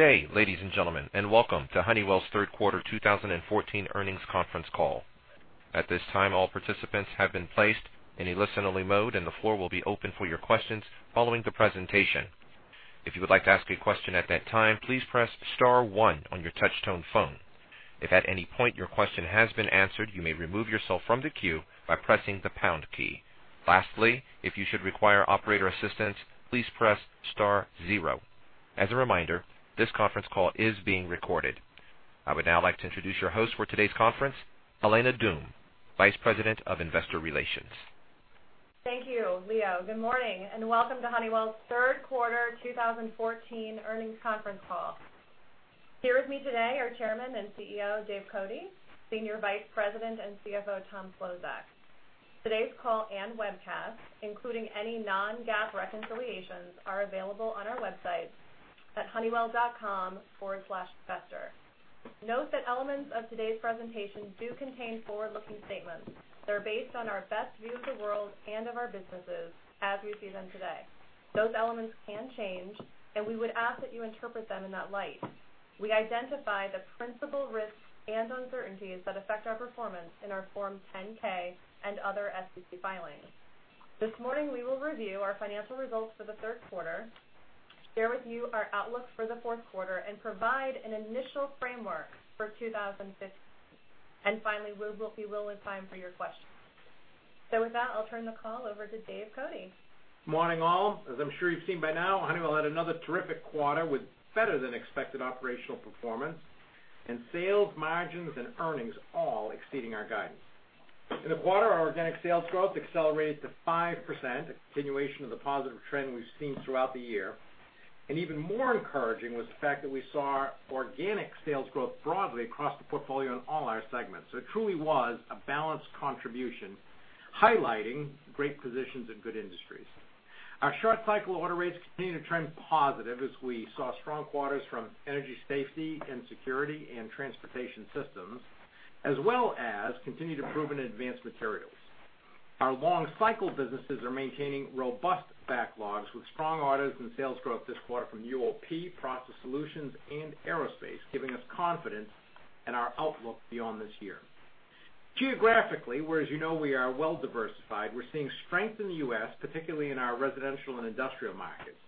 Good day, ladies and gentlemen, and welcome to Honeywell's third quarter 2014 earnings conference call. At this time, all participants have been placed in a listen-only mode, and the floor will be open for your questions following the presentation. If you would like to ask a question at that time, please press star one on your touch-tone phone. If at any point your question has been answered, you may remove yourself from the queue by pressing the pound key. Lastly, if you should require operator assistance, please press star zero. As a reminder, this conference call is being recorded. I would now like to introduce your host for today's conference, Elena Doom, Vice President of Investor Relations. Thank you, Leo. Good morning, welcome to Honeywell's third quarter 2014 earnings conference call. Here with me today are Chairman and CEO, Dave Cote, Senior Vice President and CFO, Tom Szlosek. Today's call and webcast, including any non-GAAP reconciliations, are available on our website at honeywell.com/investor. Note that elements of today's presentation do contain forward-looking statements. They're based on our best view of the world and of our businesses as we see them today. Those elements can change, and we would ask that you interpret them in that light. We identify the principal risks and uncertainties that affect our performance in our Form 10-K and other SEC filings. This morning, we will review our financial results for the third quarter, share with you our outlook for the fourth quarter, and provide an initial framework for 2016. Finally, we will be willing time for your questions. With that, I'll turn the call over to Dave Cote. Morning, all. As I'm sure you've seen by now, Honeywell had another terrific quarter with better than expected operational performance, sales margins and earnings all exceeding our guidance. In the quarter, our organic sales growth accelerated to 5%, a continuation of the positive trend we've seen throughout the year. Even more encouraging was the fact that we saw organic sales growth broadly across the portfolio in all our segments. It truly was a balanced contribution highlighting great positions in good industries. Our short cycle order rates continued to trend positive as we saw strong quarters from energy safety and security and Transportation Systems, as well as continued improvement in advanced materials. Our long cycle businesses are maintaining robust backlogs with strong orders and sales growth this quarter from UOP, Process Solutions, and Aerospace, giving us confidence in our outlook beyond this year. Geographically, where as you know we are well diversified, we're seeing strength in the U.S., particularly in our residential and industrial markets.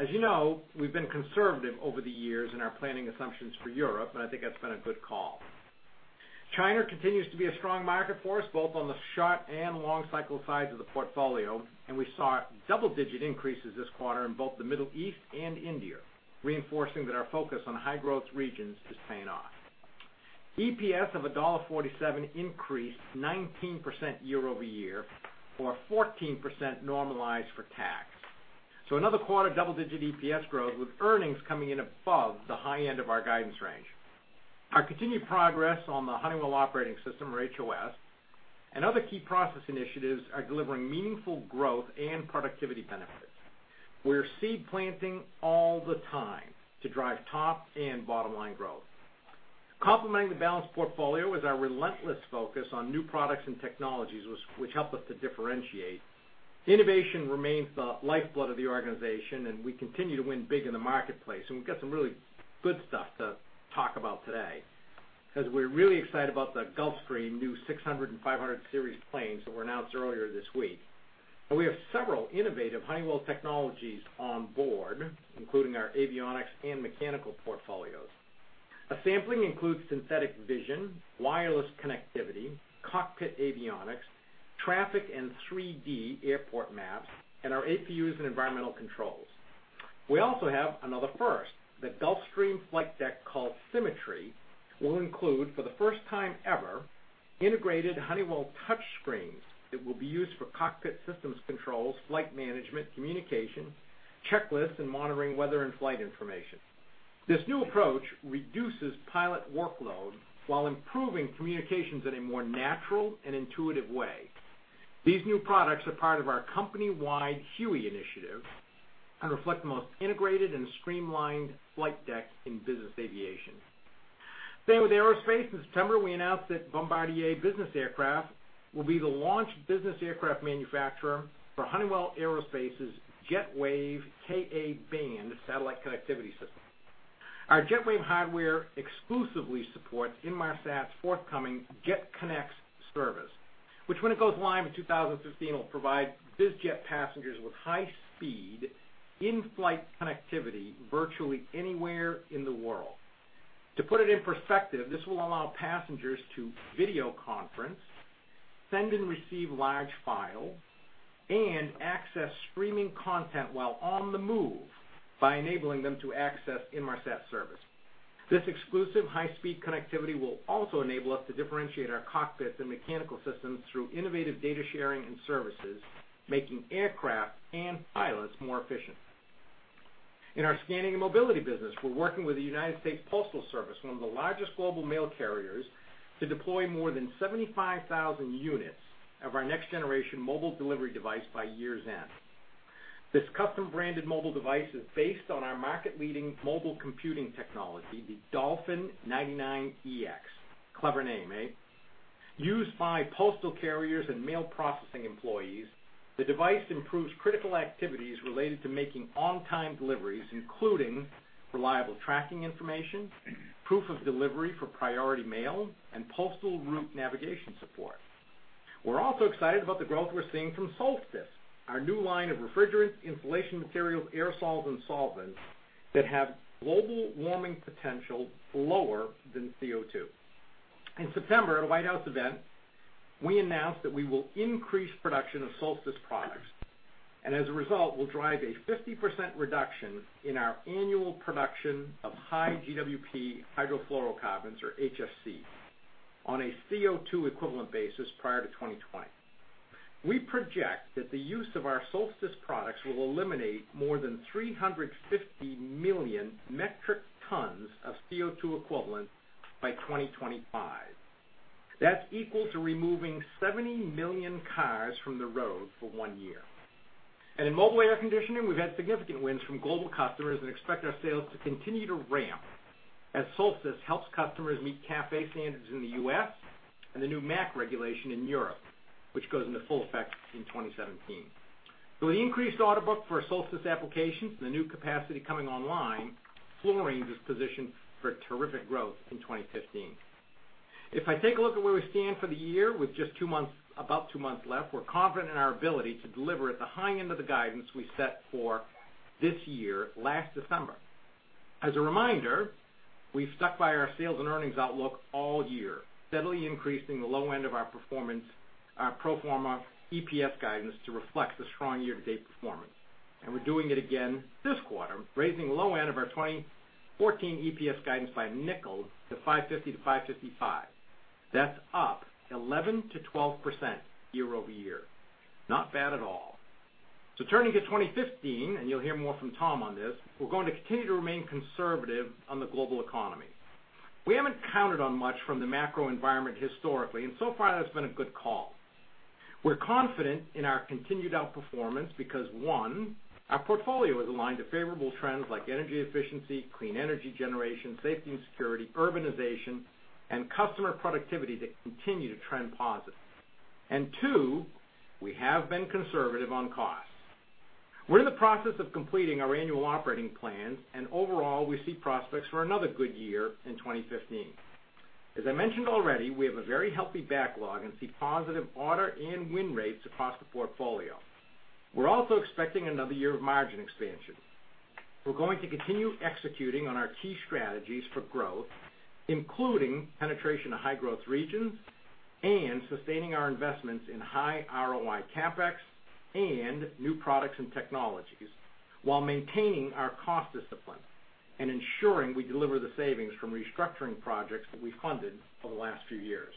As you know, we've been conservative over the years in our planning assumptions for Europe, and I think that's been a good call. China continues to be a strong market for us, both on the short and long cycle sides of the portfolio, and we saw double-digit increases this quarter in both the Middle East and India, reinforcing that our focus on high-growth regions is paying off. EPS of $1.47 increased 19% year-over-year, or 14% normalized for tax. Another quarter double-digit EPS growth, with earnings coming in above the high end of our guidance range. Our continued progress on the Honeywell Operating System, or HOS, and other key process initiatives are delivering meaningful growth and productivity benefits. We're seed planting all the time to drive top and bottom-line growth. Complementing the balanced portfolio is our relentless focus on new products and technologies, which help us to differentiate. Innovation remains the lifeblood of the organization, and we continue to win big in the marketplace, and we've got some really good stuff to talk about today, as we're really excited about the Gulfstream new 600 and 500 series planes that were announced earlier this week. We have several innovative Honeywell technologies on board, including our avionics and mechanical portfolios. A sampling includes synthetic vision, wireless connectivity, cockpit avionics, traffic and 3D airport maps, and our APUs and environmental controls. We also have another first. The Gulfstream flight deck called Symmetry will include, for the first time ever, integrated Honeywell touchscreens that will be used for cockpit systems controls, flight management, communications, checklists, and monitoring weather and flight information. This new approach reduces pilot workload while improving communications in a more natural and intuitive way. These new products are part of our company-wide HUE initiative and reflect the most integrated and streamlined flight deck in business aviation. Staying with aerospace, in September, we announced that Bombardier Business Aircraft will be the launch business aircraft manufacturer for Honeywell Aerospace's JetWave Ka-band satellite connectivity system. Our JetWave hardware exclusively supports Inmarsat's forthcoming Jet ConneX service, which when it goes live in 2015, will provide biz jet passengers with high-speed in-flight connectivity virtually anywhere in the world. To put it in perspective, this will allow passengers to video conference, send and receive large files, and access streaming content while on the move by enabling them to access Inmarsat service. This exclusive high-speed connectivity will also enable us to differentiate our cockpits and mechanical systems through innovative data sharing and services, making aircraft and pilots more efficient. In our scanning and mobility business, we're working with the United States Postal Service, one of the largest global mail carriers, to deploy more than 75,000 units of our next generation mobile delivery device by year's end. This custom branded mobile device is based on our market leading mobile computing technology, the Dolphin 99EX. Clever name, eh? Used by postal carriers and mail processing employees, the device improves critical activities related to making on-time deliveries, including reliable tracking information, proof of delivery for priority mail, and postal route navigation support. We're also excited about the growth we're seeing from Solstice, our new line of refrigerant insulation materials, aerosols, and solvents that have global warming potential lower than CO2. In September, at a White House event, we announced that we will increase production of Solstice products, and as a result, will drive a 50% reduction in our annual production of high GWP hydrofluorocarbons, or HFCs, on a CO2 equivalent basis prior to 2020. We project that the use of our Solstice products will eliminate more than 350 million metric tons of CO2 equivalent by 2025. That's equal to removing 70 million cars from the road for one year. In mobile air conditioning, we've had significant wins from global customers and expect our sales to continue to ramp as Solstice helps customers meet CAFE standards in the U.S. and the new MAC regulation in Europe, which goes into full effect in 2017. With the increased order book for Solstice applications and the new capacity coming online, Fluorine is positioned for terrific growth in 2015. If I take a look at where we stand for the year, with just about two months left, we're confident in our ability to deliver at the high end of the guidance we set for this year last December. As a reminder, we've stuck by our sales and earnings outlook all year, steadily increasing the low end of our pro forma EPS guidance to reflect the strong year-to-date performance. We're doing it again this quarter, raising the low end of our 2014 EPS guidance by $0.05 to $5.50-$5.55. That's up 11%-12% year-over-year. Not bad at all. Turning to 2015, and you'll hear more from Tom on this, we're going to continue to remain conservative on the global economy. We haven't counted on much from the macro environment historically, and so far, that's been a good call. We're confident in our continued outperformance because, one, our portfolio is aligned to favorable trends like energy efficiency, clean energy generation, safety and security, urbanization, and customer productivity that continue to trend positive. Two, we have been conservative on costs. We're in the process of completing our annual operating plans, and overall, we see prospects for another good year in 2015. As I mentioned already, we have a very healthy backlog and see positive order and win rates across the portfolio. We're also expecting another year of margin expansion. We're going to continue executing on our key strategies for growth, including penetration of high-growth regions and sustaining our investments in high ROI CapEx and new products and technologies while maintaining our cost discipline and ensuring we deliver the savings from restructuring projects that we've funded over the last few years.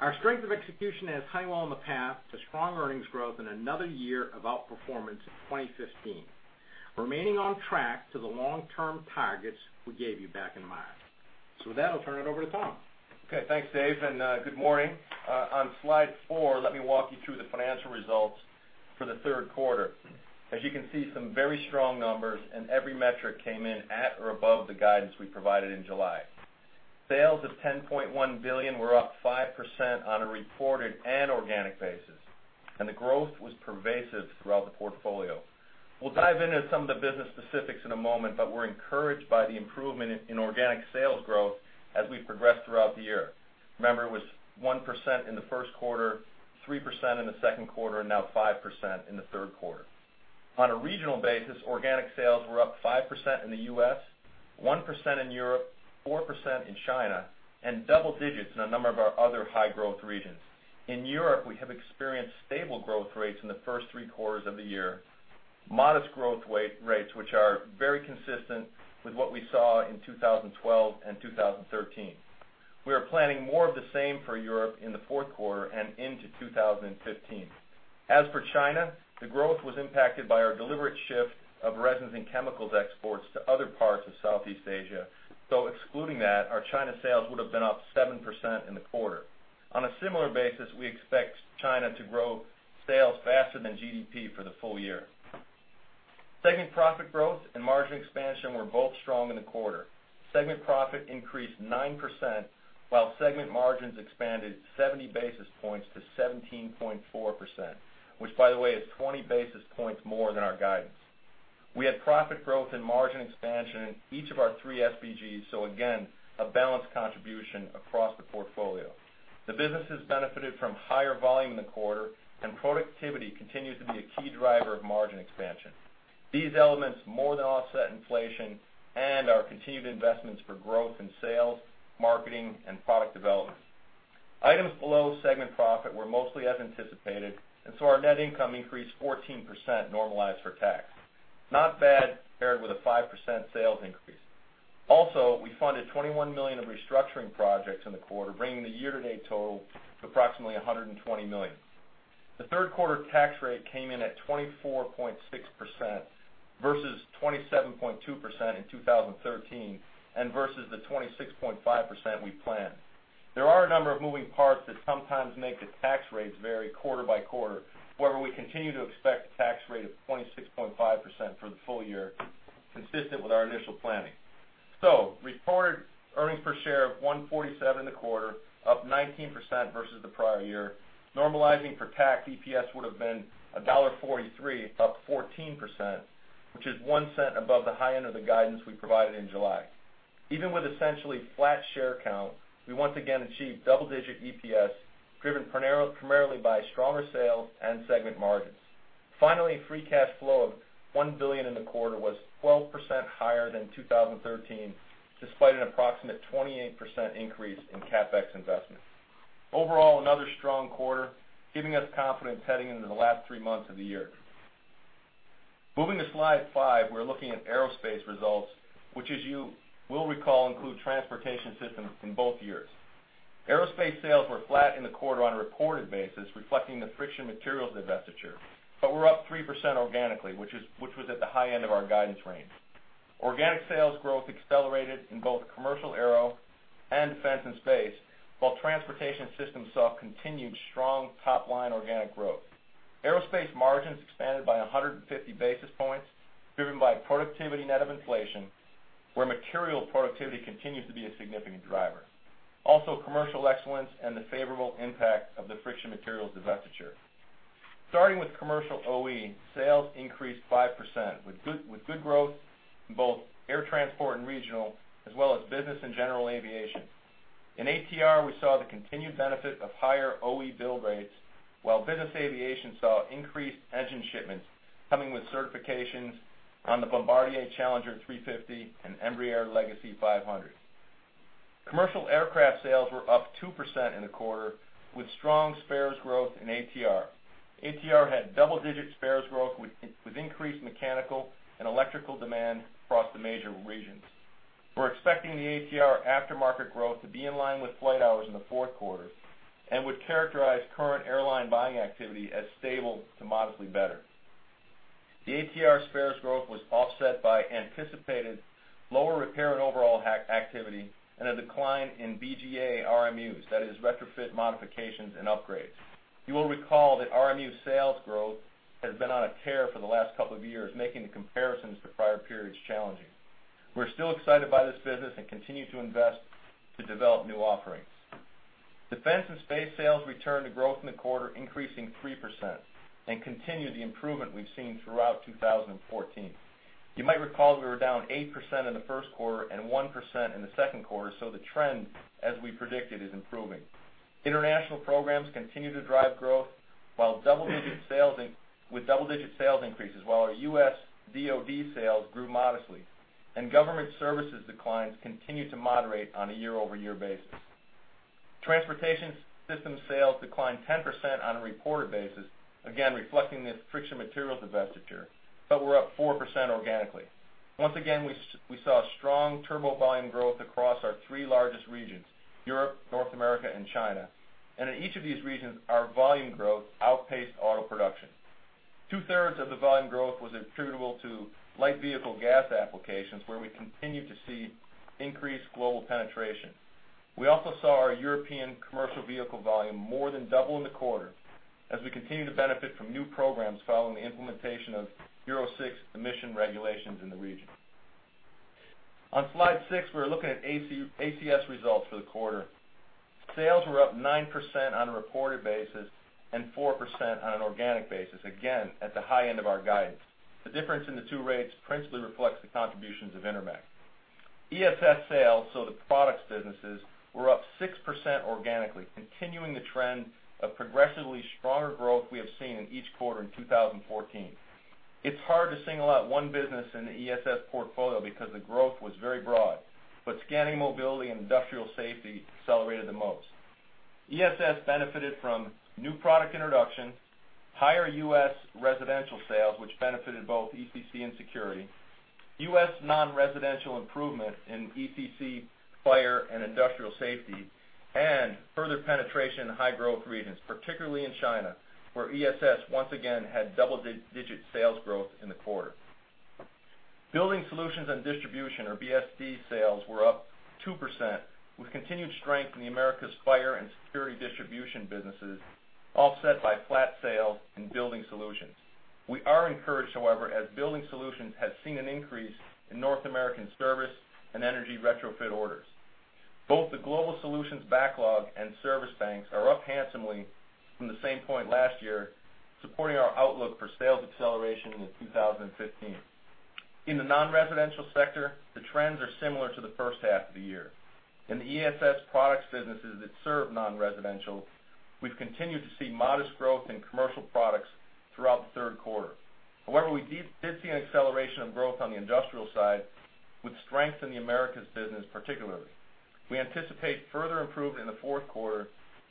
Our strength of execution has Honeywell on the path to strong earnings growth and another year of outperformance in 2015, remaining on track to the long-term targets we gave you back in March. With that, I'll turn it over to Tom. Thanks, Dave, and good morning. On slide four, let me walk you through the financial results for the third quarter. As you can see, some very strong numbers. Every metric came in at or above the guidance we provided in July. Sales of $10.1 billion were up 5% on a reported and organic basis. The growth was pervasive throughout the portfolio. We'll dive into some of the business specifics in a moment, but we're encouraged by the improvement in organic sales growth as we progress throughout the year. Remember, it was 1% in the first quarter, 3% in the second quarter, and now 5% in the third quarter. On a regional basis, organic sales were up 5% in the U.S., 1% in Europe, 4% in China, and double digits in a number of our other high-growth regions. In Europe, we have experienced stable growth rates in the first three quarters of the year, modest growth rates, which are very consistent with what we saw in 2012 and 2013. We are planning more of the same for Europe in the fourth quarter and into 2015. As for China, the growth was impacted by our deliberate shift of resins and chemicals exports to other parts of Southeast Asia. Excluding that, our China sales would have been up 7% in the quarter. On a similar basis, we expect China to grow sales faster than GDP for the full year. Segment profit growth and margin expansion were both strong in the quarter. Segment profit increased 9%, while segment margins expanded 70 basis points to 17.4%, which by the way, is 20 basis points more than our guidance. We had profit growth and margin expansion in each of our three SBGs. Again, a balanced contribution across the portfolio. The businesses benefited from higher volume in the quarter. Productivity continues to be a key driver of margin expansion. These elements more than offset inflation and our continued investments for growth in sales, marketing, and product development. Items below segment profit were mostly as anticipated. Our net income increased 14% normalized for tax. Not bad paired with a 5% sales increase. We funded $21 million of restructuring projects in the quarter, bringing the year-to-date total to approximately $120 million. The third quarter tax rate came in at 24.6% versus 27.2% in 2013 and versus the 26.5% we planned. There are a number of moving parts that sometimes make the tax rates vary quarter by quarter. We continue to expect a tax rate of 26.5% for the full year, consistent with our initial planning. Recorded earnings per share of $1.47 in the quarter, up 19% versus the prior year. Normalizing for tax, EPS would have been $1.43, up 14%, which is $0.01 above the high end of the guidance we provided in July. Even with essentially flat share count, we once again achieved double-digit EPS, driven primarily by stronger sales and segment margins. Free cash flow of $1 billion in the quarter was 12% higher than 2013, despite an approximate 28% increase in CapEx investments. Overall, another strong quarter, giving us confidence heading into the last three months of the year. Moving to slide five, we're looking at Aerospace results, which, as you will recall, include Transportation Systems in both years. Aerospace sales were flat in the quarter on a reported basis, reflecting the friction materials divestiture, but were up 3% organically, which was at the high end of our guidance range. Organic sales growth accelerated in both commercial aero and Defense & Space, while Transportation Systems saw continued strong top-line organic growth. Aerospace margins expanded by 150 basis points, driven by productivity net of inflation, where material productivity continues to be a significant driver. Also, commercial excellence and the favorable impact of the friction materials divestiture. Starting with commercial OE, sales increased 5%, with good growth in both air transport and regional, as well as business and general aviation. In ATR, we saw the continued benefit of higher OE bill rates, while business aviation saw increased engine shipments coming with certifications on the Bombardier Challenger 350 and Embraer Legacy 500. Commercial aircraft sales were up 2% in the quarter, with strong spares growth in ATR. ATR had double-digit spares growth, with increased mechanical and electrical demand across the major regions. We're expecting the ATR aftermarket growth to be in line with flight hours in the fourth quarter and would characterize current airline buying activity as stable to modestly better. The ATR spares growth was offset by anticipated lower repair and overall activity, and a decline in BGA RMUs. That is retrofit modifications and upgrades. You will recall that RMU sales growth has been on a tear for the last two years, making the comparisons to prior periods challenging. We're still excited by this business and continue to invest to develop new offerings. Defense & Space sales returned to growth in the quarter, increasing 3%, and continue the improvement we've seen throughout 2014. You might recall we were down 8% in the first quarter and 1% in the second quarter, the trend, as we predicted, is improving. International programs continue to drive growth, with double-digit sales increases, while our U.S. DoD sales grew modestly. Government services declines continue to moderate on a year-over-year basis. Transportation Systems sales declined 10% on a reported basis, again, reflecting the friction materials divestiture, but were up 4% organically. Once again, we saw strong turbo volume growth across our three largest regions, Europe, North America, and China. In each of these regions, our volume growth outpaced auto production. Two-thirds of the volume growth was attributable to light vehicle gas applications, where we continue to see increased global penetration. We also saw our European commercial vehicle volume more than double in the quarter as we continue to benefit from new programs following the implementation of Euro 6 emission regulations in the region. On slide six, we are looking at ACS results for the quarter. Sales were up 9% on a reported basis and 4% on an organic basis, again, at the high end of our guidance. The difference in the two rates principally reflects the contributions of Intermec. ESS sales, so the products businesses, were up 6% organically, continuing the trend of progressively stronger growth we have seen in each quarter in 2014. It's hard to single out one business in the ESS portfolio because the growth was very broad, but Scanning and Mobility and industrial safety accelerated the most. ESS benefited from new product introduction, higher U.S. residential sales, which benefited both ECC and security, U.S. non-residential improvement in ECC, fire, and industrial safety, and further penetration in high-growth regions, particularly in China, where ESS once again had double-digit sales growth in the quarter. Building Solutions and Distribution, or BSD sales, were up 2%, with continued strength in the Americas fire and security distribution businesses, offset by flat sales in Building Solutions. We are encouraged, however, as Building Solutions has seen an increase in North American service and energy retrofit orders. Both the Global Solutions backlog and service banks are up handsomely from the same point last year, supporting our outlook for sales acceleration into 2015. In the non-residential sector, the trends are similar to the first half of the year. In the ESS products businesses that serve non-residential, we've continued to see modest growth in commercial products throughout the third quarter. We did see an acceleration of growth on the industrial side with strength in the Americas business particularly. We anticipate further improvement in the fourth quarter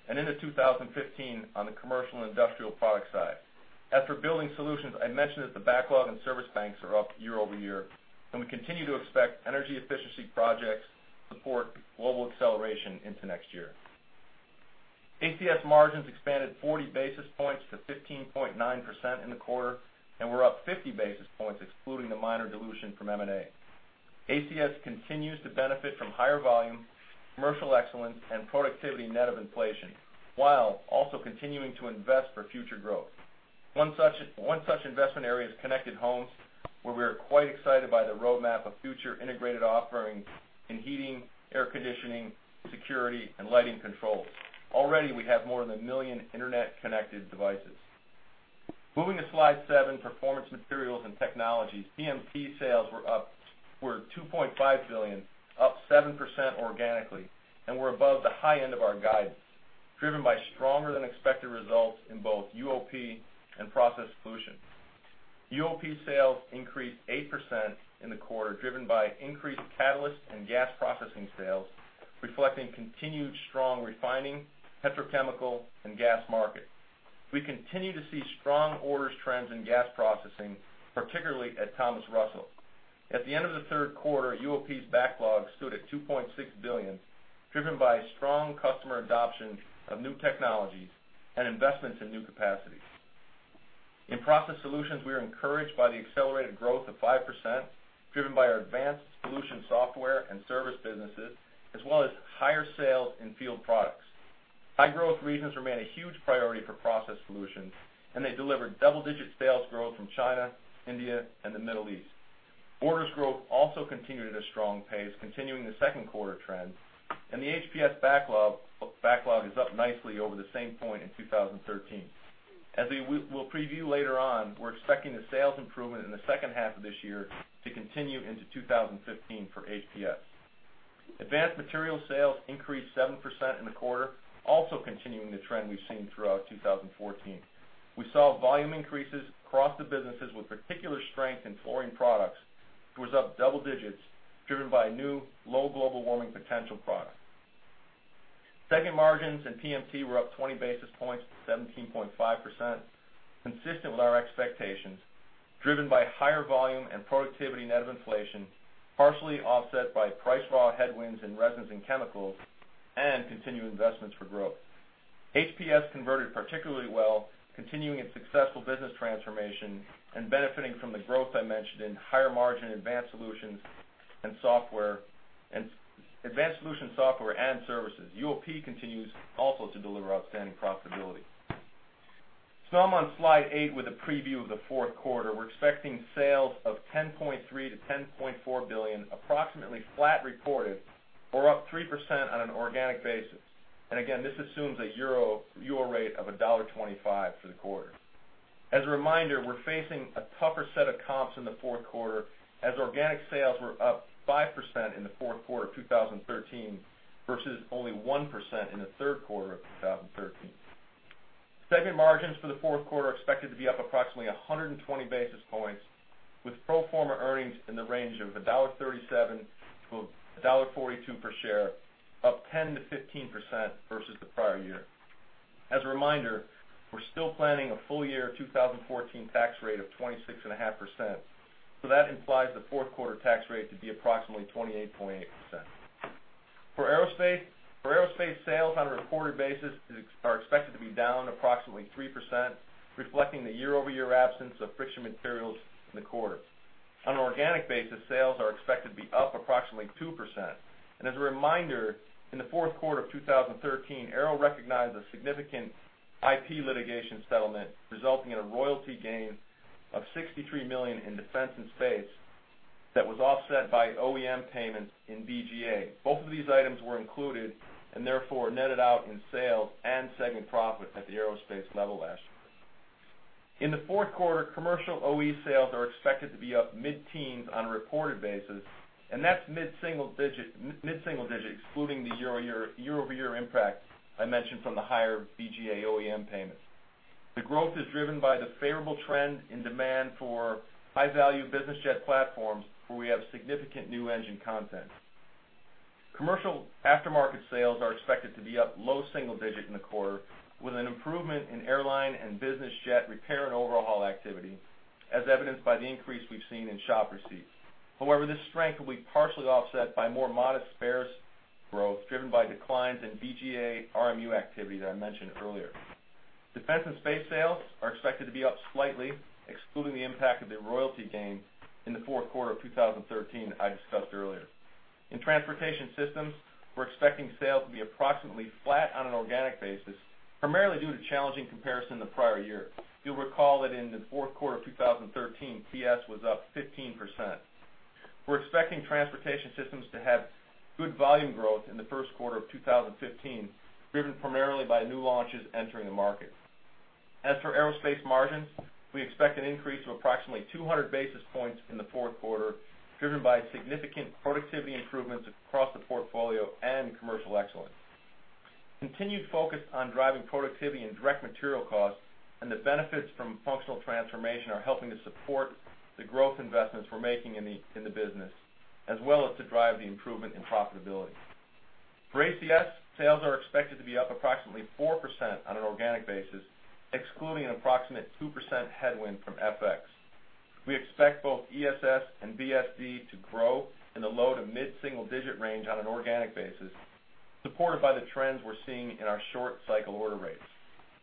and into 2015 on the commercial and industrial product side. As for Building Solutions, I mentioned that the backlog and service banks are up year-over-year, and we continue to expect energy efficiency projects support global acceleration into next year. ACS margins expanded 40 basis points to 15.9% in the quarter, and were up 50 basis points excluding the minor dilution from M&A. ACS continues to benefit from higher volume, commercial excellence, and productivity net of inflation, while also continuing to invest for future growth. One such investment area is connected homes, where we are quite excited by the roadmap of future integrated offerings in heating, air conditioning, security, and lighting control. Already, we have more than a million internet-connected devices. Moving to Slide 7, Performance Materials & Technologies, PMT sales were $2.5 billion, up 7% organically, and were above the high end of our guidance, driven by stronger than expected results in both UOP and Process Solutions. UOP sales increased 8% in the quarter, driven by increased catalyst and gas processing sales, reflecting continued strong refining, petrochemical, and gas markets. We continue to see strong orders trends in gas processing, particularly at Thomas Russell. At the end of the third quarter, UOP's backlog stood at $2.6 billion, driven by strong customer adoption of new technologies and investments in new capacity. In Process Solutions, we are encouraged by the accelerated growth of 5%, driven by our advanced solutions software and service businesses, as well as higher sales in field products. High-growth regions remain a huge priority for Process Solutions, and they delivered double-digit sales growth from China, India, and the Middle East. Orders growth also continued at a strong pace, continuing the second quarter trend, and the HPS backlog is up nicely over the same point in 2013. As we will preview later on, we're expecting a sales improvement in the second half of this year to continue into 2015 for HPS. Advanced Material sales increased 7% in the quarter, also continuing the trend we've seen throughout 2014. We saw volume increases across the businesses with particular strength in Fluorine Products, which was up double digits, driven by new low global warming potential products. Segment margins in PMT were up 20 basis points to 17.5%, consistent with our expectations, driven by higher volume and productivity net of inflation, partially offset by price raw headwinds in resins and chemicals, and continued investments for growth. HPS converted particularly well, continuing its successful business transformation and benefiting from the growth I mentioned in higher margin advanced solutions software and services. UOP continues also to deliver outstanding profitability. I'm on slide eight with a preview of the fourth quarter. We're expecting sales of $10.3 billion-$10.4 billion, approximately flat reported or up 3% on an organic basis. And again, this assumes a EUR rate of $1.25 for the quarter. As a reminder, we're facing a tougher set of comps in the fourth quarter as organic sales were up 5% in the fourth quarter of 2013 versus only 1% in the third quarter of 2013. Segment margins for the fourth quarter are expected to be up approximately 120 basis points, with pro forma earnings in the range of $1.37-$1.42 per share, up 10%-15% versus the prior year. As a reminder, we're still planning a full year 2014 tax rate of 26.5%, so that implies the fourth quarter tax rate to be approximately 28.8%. For Aerospace sales on a reported basis, are expected to be down approximately 3%, reflecting the year-over-year absence of friction materials in the quarter. On an organic basis, sales are expected to be up approximately 2%. And as a reminder, in the fourth quarter of 2013, Aero recognized a significant IP litigation settlement, resulting in a royalty gain of $63 million in Defense & Space that was offset by OEM payments in BGA. Both of these items were included, and therefore, netted out in sales and segment profit at the Aerospace level last year. In the fourth quarter, commercial OE sales are expected to be up mid-teens on a reported basis, and that's mid-single digit excluding the year-over-year impact I mentioned from the higher BGA OEM payments. The growth is driven by the favorable trend in demand for high-value business jet platforms where we have significant new engine content. Commercial aftermarket sales are expected to be up low single digit in the quarter, with an improvement in airline and business jet repair and overhaul activity, as evidenced by the increase we've seen in shop receipts. However, this strength will be partially offset by more modest spares growth, driven by declines in BGA RMU activity that I mentioned earlier. Defense & Space sales are expected to be up slightly, excluding the impact of the royalty gain in the fourth quarter of 2013 that I discussed earlier. In Transportation Systems, we're expecting sales to be approximately flat on an organic basis, primarily due to challenging comparison to the prior year. You'll recall that in the fourth quarter of 2013, TS was up 15%. We're expecting Transportation Systems to have good volume growth in the first quarter of 2015, driven primarily by new launches entering the market. For Aerospace margins, we expect an increase of approximately 200 basis points in the fourth quarter, driven by significant productivity improvements across the portfolio and commercial excellence. Continued focus on driving productivity and direct material costs and the benefits from functional transformation are helping to support the growth investments we're making in the business, as well as to drive the improvement in profitability. For ACS, sales are expected to be up approximately 4% on an organic basis, excluding an approximate 2% headwind from FX. We expect both ESS and BSD to grow in the low to mid-single digit range on an organic basis, supported by the trends we're seeing in our short cycle order rates.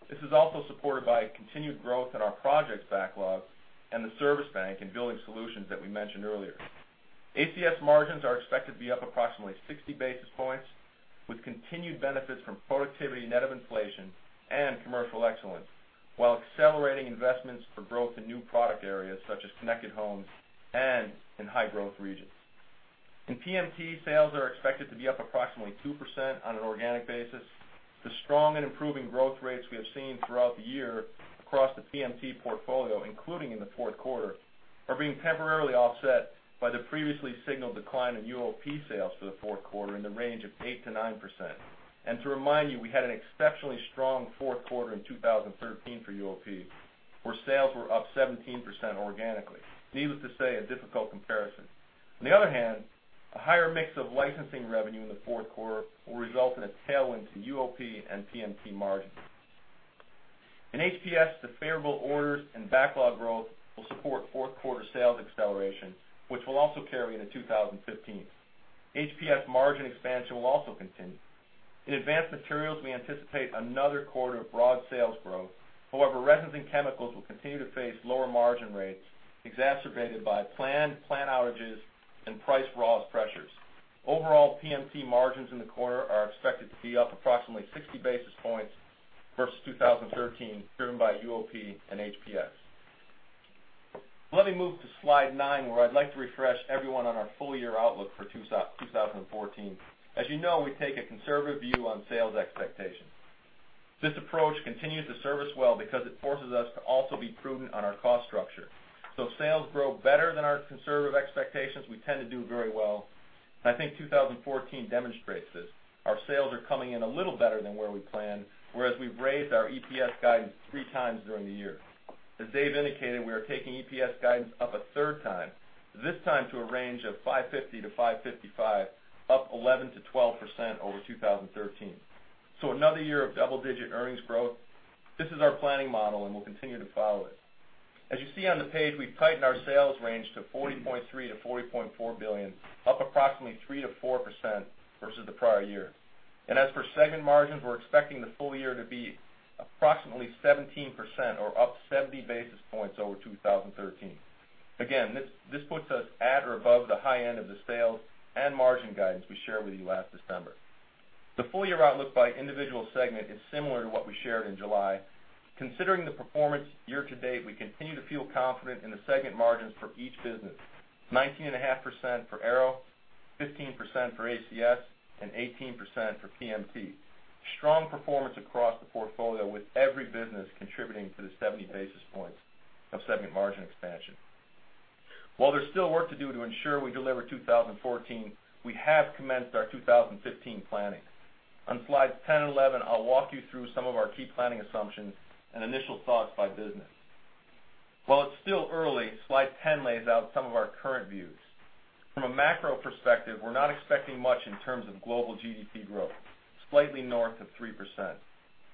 This is also supported by continued growth in our projects backlog and the service bank in Building Solutions that we mentioned earlier. ACS margins are expected to be up approximately 60 basis points, with continued benefits from productivity net of inflation and commercial excellence, while accelerating investments for growth in new product areas such as connected homes and in high-growth regions. In PMT, sales are expected to be up approximately 2% on an organic basis. The strong and improving growth rates we have seen throughout the year across the PMT portfolio, including in the fourth quarter, are being temporarily offset by the previously signaled decline in UOP sales for the fourth quarter in the range of 8%-9%. To remind you, we had an exceptionally strong fourth quarter in 2013 for UOP, where sales were up 17% organically. Needless to say, a difficult comparison. On the other hand, a higher mix of licensing revenue in the fourth quarter will result in a tailwind to UOP and PMT margins. In HPS, the favorable orders and backlog growth will support fourth-quarter sales acceleration, which will also carry into 2015. HPS margin expansion will also continue. In Advanced Materials, we anticipate another quarter of broad sales growth. Resins and chemicals will continue to face lower margin rates, exacerbated by planned plant outages and price raw pressures. Overall, PMT margins in the quarter are expected to be up approximately 60 basis points versus 2013, driven by UOP and HPS. Let me move to slide nine, where I'd like to refresh everyone on our full-year outlook for 2014. As you know, we take a conservative view on sales expectations. This approach continues to serve us well because it forces us to also be prudent on our cost structure. If sales grow better than our conservative expectations, we tend to do very well, and I think 2014 demonstrates this. Our sales are coming in a little better than where we planned, whereas we've raised our EPS guidance three times during the year. As Dave indicated, we are taking EPS guidance up a third time, this time to a range of $5.50-$5.55, up 11%-12% over 2013. Another year of double-digit earnings growth. This is our planning model, we'll continue to follow it. As you see on the page, we've tightened our sales range to $40.3 billion-$40.4 billion, up approximately 3%-4% versus the prior year. As for segment margins, we're expecting the full year to be approximately 17%, or up 70 basis points over 2013. Again, this puts us at or above the high end of the sales and margin guidance we shared with you last December. The full-year outlook by individual segment is similar to what we shared in July. Considering the performance year to date, we continue to feel confident in the segment margins for each business: 19.5% for Aero, 15% for ACS, and 18% for PMT. Strong performance across the portfolio, with every business contributing to the 70 basis points of segment margin expansion. While there's still work to do to ensure we deliver 2014, we have commenced our 2015 planning. On slides 10 and 11, I'll walk you through some of our key planning assumptions and initial thoughts by business. While it's still early, slide 10 lays out some of our current views. From a macro perspective, we're not expecting much in terms of global GDP growth, slightly north of 3%.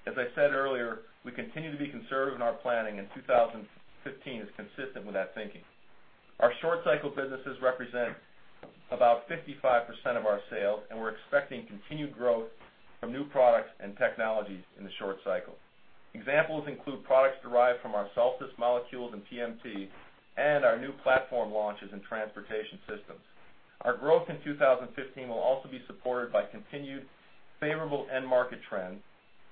As I said earlier, we continue to be conservative in our planning, and 2015 is consistent with that thinking. Our short-cycle businesses represent about 55% of our sales, and we're expecting continued growth from new products and technologies in the short cycle. Examples include products derived from our Solstice molecules in PMT and our new platform launches in Transportation Systems. Our growth in 2015 will also be supported by continued favorable end-market trends,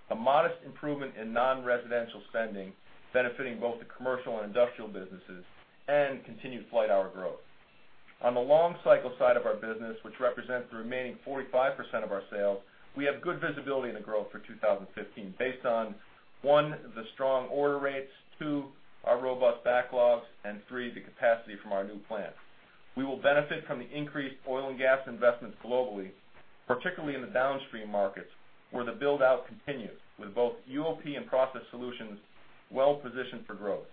a modest improvement in non-residential spending benefiting both the commercial and industrial businesses, and continued flight hour growth. On the long cycle side of our business, which represents the remaining 45% of our sales, we have good visibility into growth for 2015 based on, one, the strong order rates, two, our robust backlogs, and three, the capacity from our new plant. We will benefit from the increased oil and gas investments globally, particularly in the downstream markets where the build-out continues, with both UOP and Process Solutions well-positioned for growth.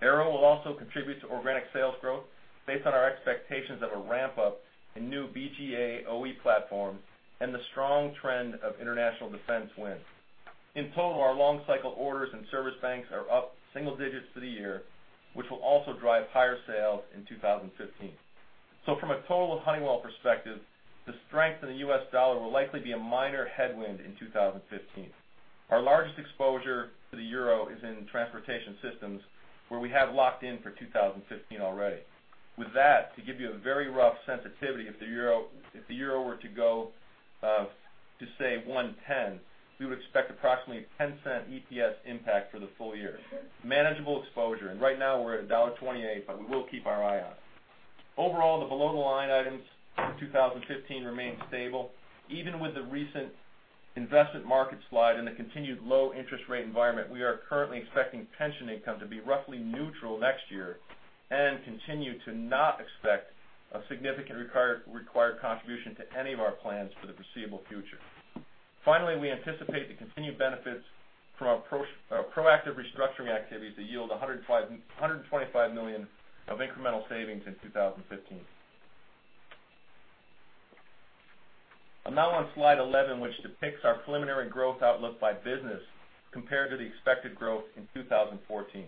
Aero will also contribute to organic sales growth based on our expectations of a ramp-up in new BGA OE platforms and the strong trend of international defense wins. In total, our long-cycle orders and service banks are up single digits for the year, which will also drive higher sales in 2015. From a total Honeywell perspective, the strength in the U.S. dollar will likely be a minor headwind in 2015. Our largest exposure to the euro is in Transportation Systems, where we have locked in for 2015 already. With that, to give you a very rough sensitivity, if the euro were to go to, say, 110, we would expect approximately a $0.10 EPS impact for the full year. Manageable exposure, and right now, we're at $1.28, but we will keep our eye on it. Overall, the below-the-line items for 2015 remain stable. Even with the recent investment market slide and the continued low interest rate environment, we are currently expecting pension income to be roughly neutral next year and continue to not expect a significant required contribution to any of our plans for the foreseeable future. Finally, we anticipate the continued benefits from our proactive restructuring activities to yield $125 million of incremental savings in 2015. I'm now on slide 11, which depicts our preliminary growth outlook by business compared to the expected growth in 2014.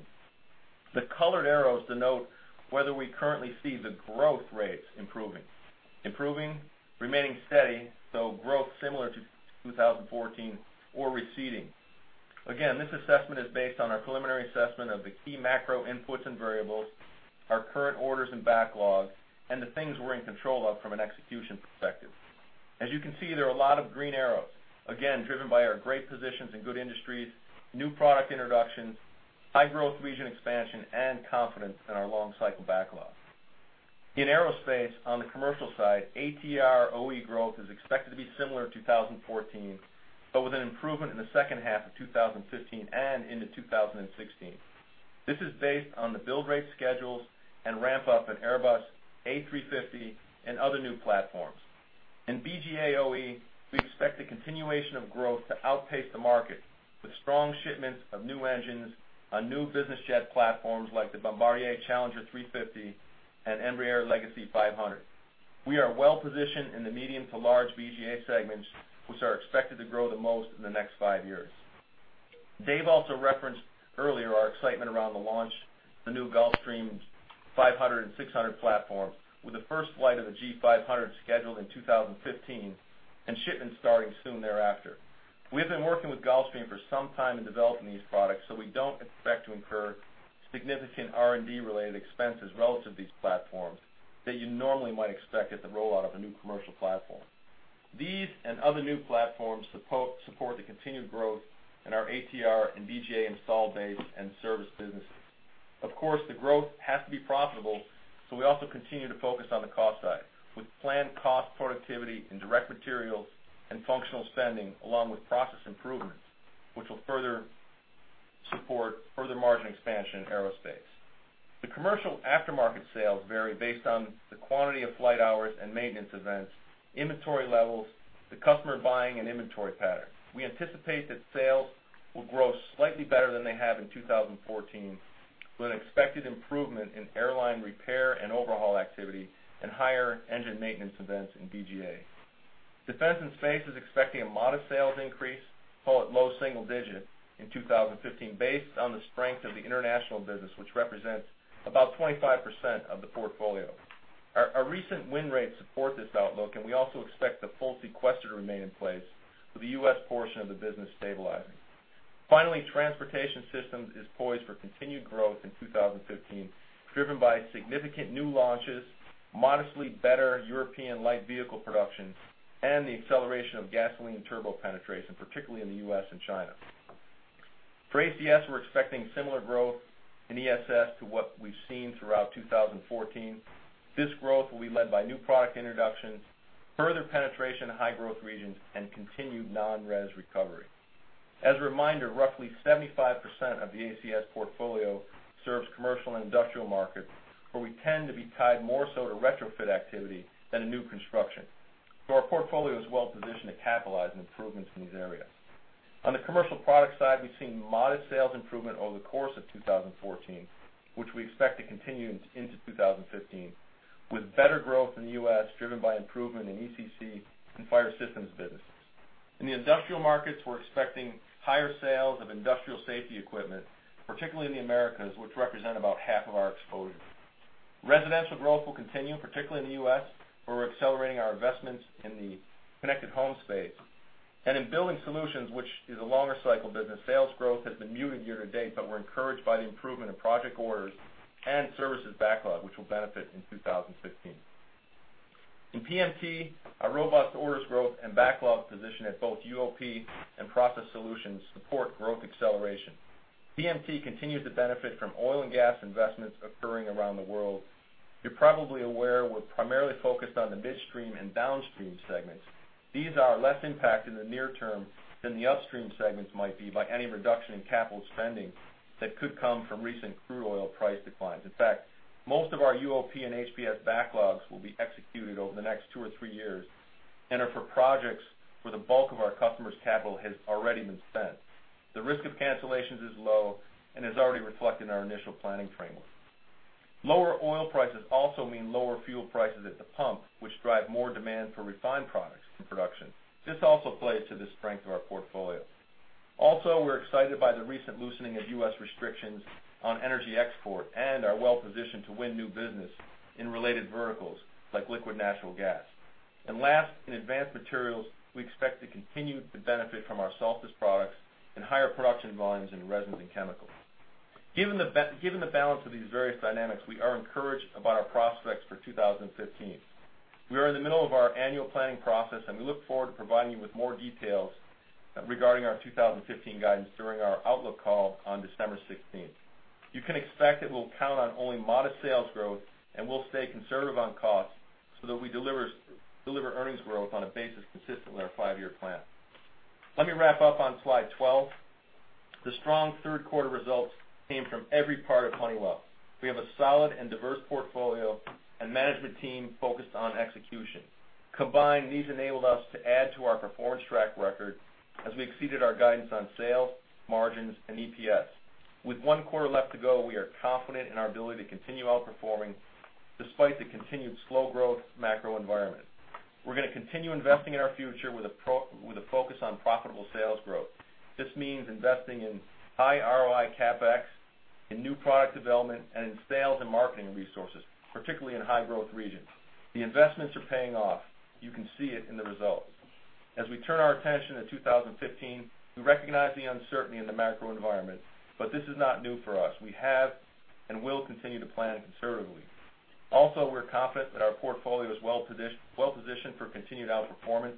The colored arrows denote whether we currently see the growth rates improving, remaining steady, so growth similar to 2014, or receding. Again, this assessment is based on our preliminary assessment of the key macro inputs and variables, our current orders and backlogs, and the things we're in control of from an execution perspective. As you can see, there are a lot of green arrows. Driven by our great positions in good industries, new product introductions, high growth region expansion, and confidence in our long cycle backlog. In Aerospace, on the commercial side, ATR OE growth is expected to be similar to 2014, with an improvement in the second half of 2015 and into 2016. This is based on the build rate schedules and ramp-up at Airbus, A350, and other new platforms. In BGA OE, we expect the continuation of growth to outpace the market, with strong shipments of new engines on new business jet platforms like the Bombardier Challenger 350 and Embraer Legacy 500. We are well-positioned in the medium to large BGA segments, which are expected to grow the most in the next five years. Dave also referenced earlier our excitement around the launch of the new Gulfstream 500 and 600 platform, with the first flight of the G500 scheduled in 2015 and shipments starting soon thereafter. We have been working with Gulfstream for some time in developing these products. We don't expect to incur significant R&D-related expenses relative to these platforms that you normally might expect at the rollout of a new commercial platform. These and other new platforms support the continued growth in our ATR and BGA installed base and service businesses. Of course, the growth has to be profitable. We also continue to focus on the cost side, with planned cost productivity in direct materials and functional spending, along with process improvements, which will further support further margin expansion in Aerospace. The commercial aftermarket sales vary based on the quantity of flight hours and maintenance events, inventory levels, the customer buying and inventory patterns. We anticipate that sales will grow slightly better than they have in 2014, with an expected improvement in airline repair and overhaul activity and higher engine maintenance events in BGA. Defense & Space is expecting a modest sales increase, call it low double single digits, in 2015, based on the strength of the international business, which represents about 25% of the portfolio. Our recent win rates support this outlook. We also expect the full sequester to remain in place, with the U.S. portion of the business stabilizing. Transportation Systems is poised for continued growth in 2015, driven by significant new launches, modestly better European light vehicle production, and the acceleration of gasoline turbo penetration, particularly in the U.S. and China. ACS, we're expecting similar growth in ESS to what we've seen throughout 2014. This growth will be led by new product introductions, further penetration in high-growth regions, and continued non-res recovery. As a reminder, roughly 75% of the ACS portfolio serves commercial and industrial markets, where we tend to be tied more so to retrofit activity than to new construction. Our portfolio is well-positioned to capitalize on improvements in these areas. On the commercial product side, we've seen modest sales improvement over the course of 2014, which we expect to continue into 2015, with better growth in the U.S., driven by improvement in ECC and fire systems businesses. In the industrial markets, we're expecting higher sales of industrial safety equipment, particularly in the Americas, which represent about half of our exposure. Residential growth will continue, particularly in the U.S., where we're accelerating our investments in the connected home space. In Building Solutions, which is a longer cycle business, sales growth has been muted year to date, but we're encouraged by the improvement in project orders and services backlog, which will benefit in 2015. In PMT, our robust orders growth and backlog position at both UOP and Process Solutions support growth acceleration. PMT continues to benefit from oil and gas investments occurring around the world. You're probably aware we're primarily focused on the midstream and downstream segments. These are less impacted in the near term than the upstream segments might be by any reduction in capital spending that could come from recent crude oil price declines. In fact, most of our UOP and HPS backlogs will be executed over the next two or three years and are for projects where the bulk of our customers' capital has already been spent. The risk of cancellations is low and is already reflected in our initial planning framework. Lower oil prices also mean lower fuel prices at the pump, which drive more demand for refined products in production. This also plays to the strength of our portfolio. We're excited by the recent loosening of U.S. restrictions on energy export and are well positioned to win new business in related verticals like LNG. Last, in Advanced Materials, we expect to continue to benefit from our Solstice products and higher production volumes in resins and chemicals. Given the balance of these various dynamics, we are encouraged about our prospects for 2015. We are in the middle of our annual planning process. We look forward to providing you with more details regarding our 2015 guidance during our outlook call on December 16th. You can expect that we'll count on only modest sales growth and we'll stay conservative on costs so that we deliver earnings growth on a basis consistent with our five-year plan. Let me wrap up on slide 12. The strong third quarter results came from every part of Honeywell. We have a solid and diverse portfolio and management team focused on execution. Combined, these enabled us to add to our performance track record as we exceeded our guidance on sales, margins and EPS. With one quarter left to go, we are confident in our ability to continue outperforming despite the continued slow growth macro environment. We're going to continue investing in our future with a focus on profitable sales growth. This means investing in high ROI CapEx, in new product development and in sales and marketing resources, particularly in high-growth regions. The investments are paying off. You can see it in the results. As we turn our attention to 2015, we recognize the uncertainty in the macro environment. This is not new for us. We have and will continue to plan conservatively. We're confident that our portfolio is well-positioned for continued outperformance.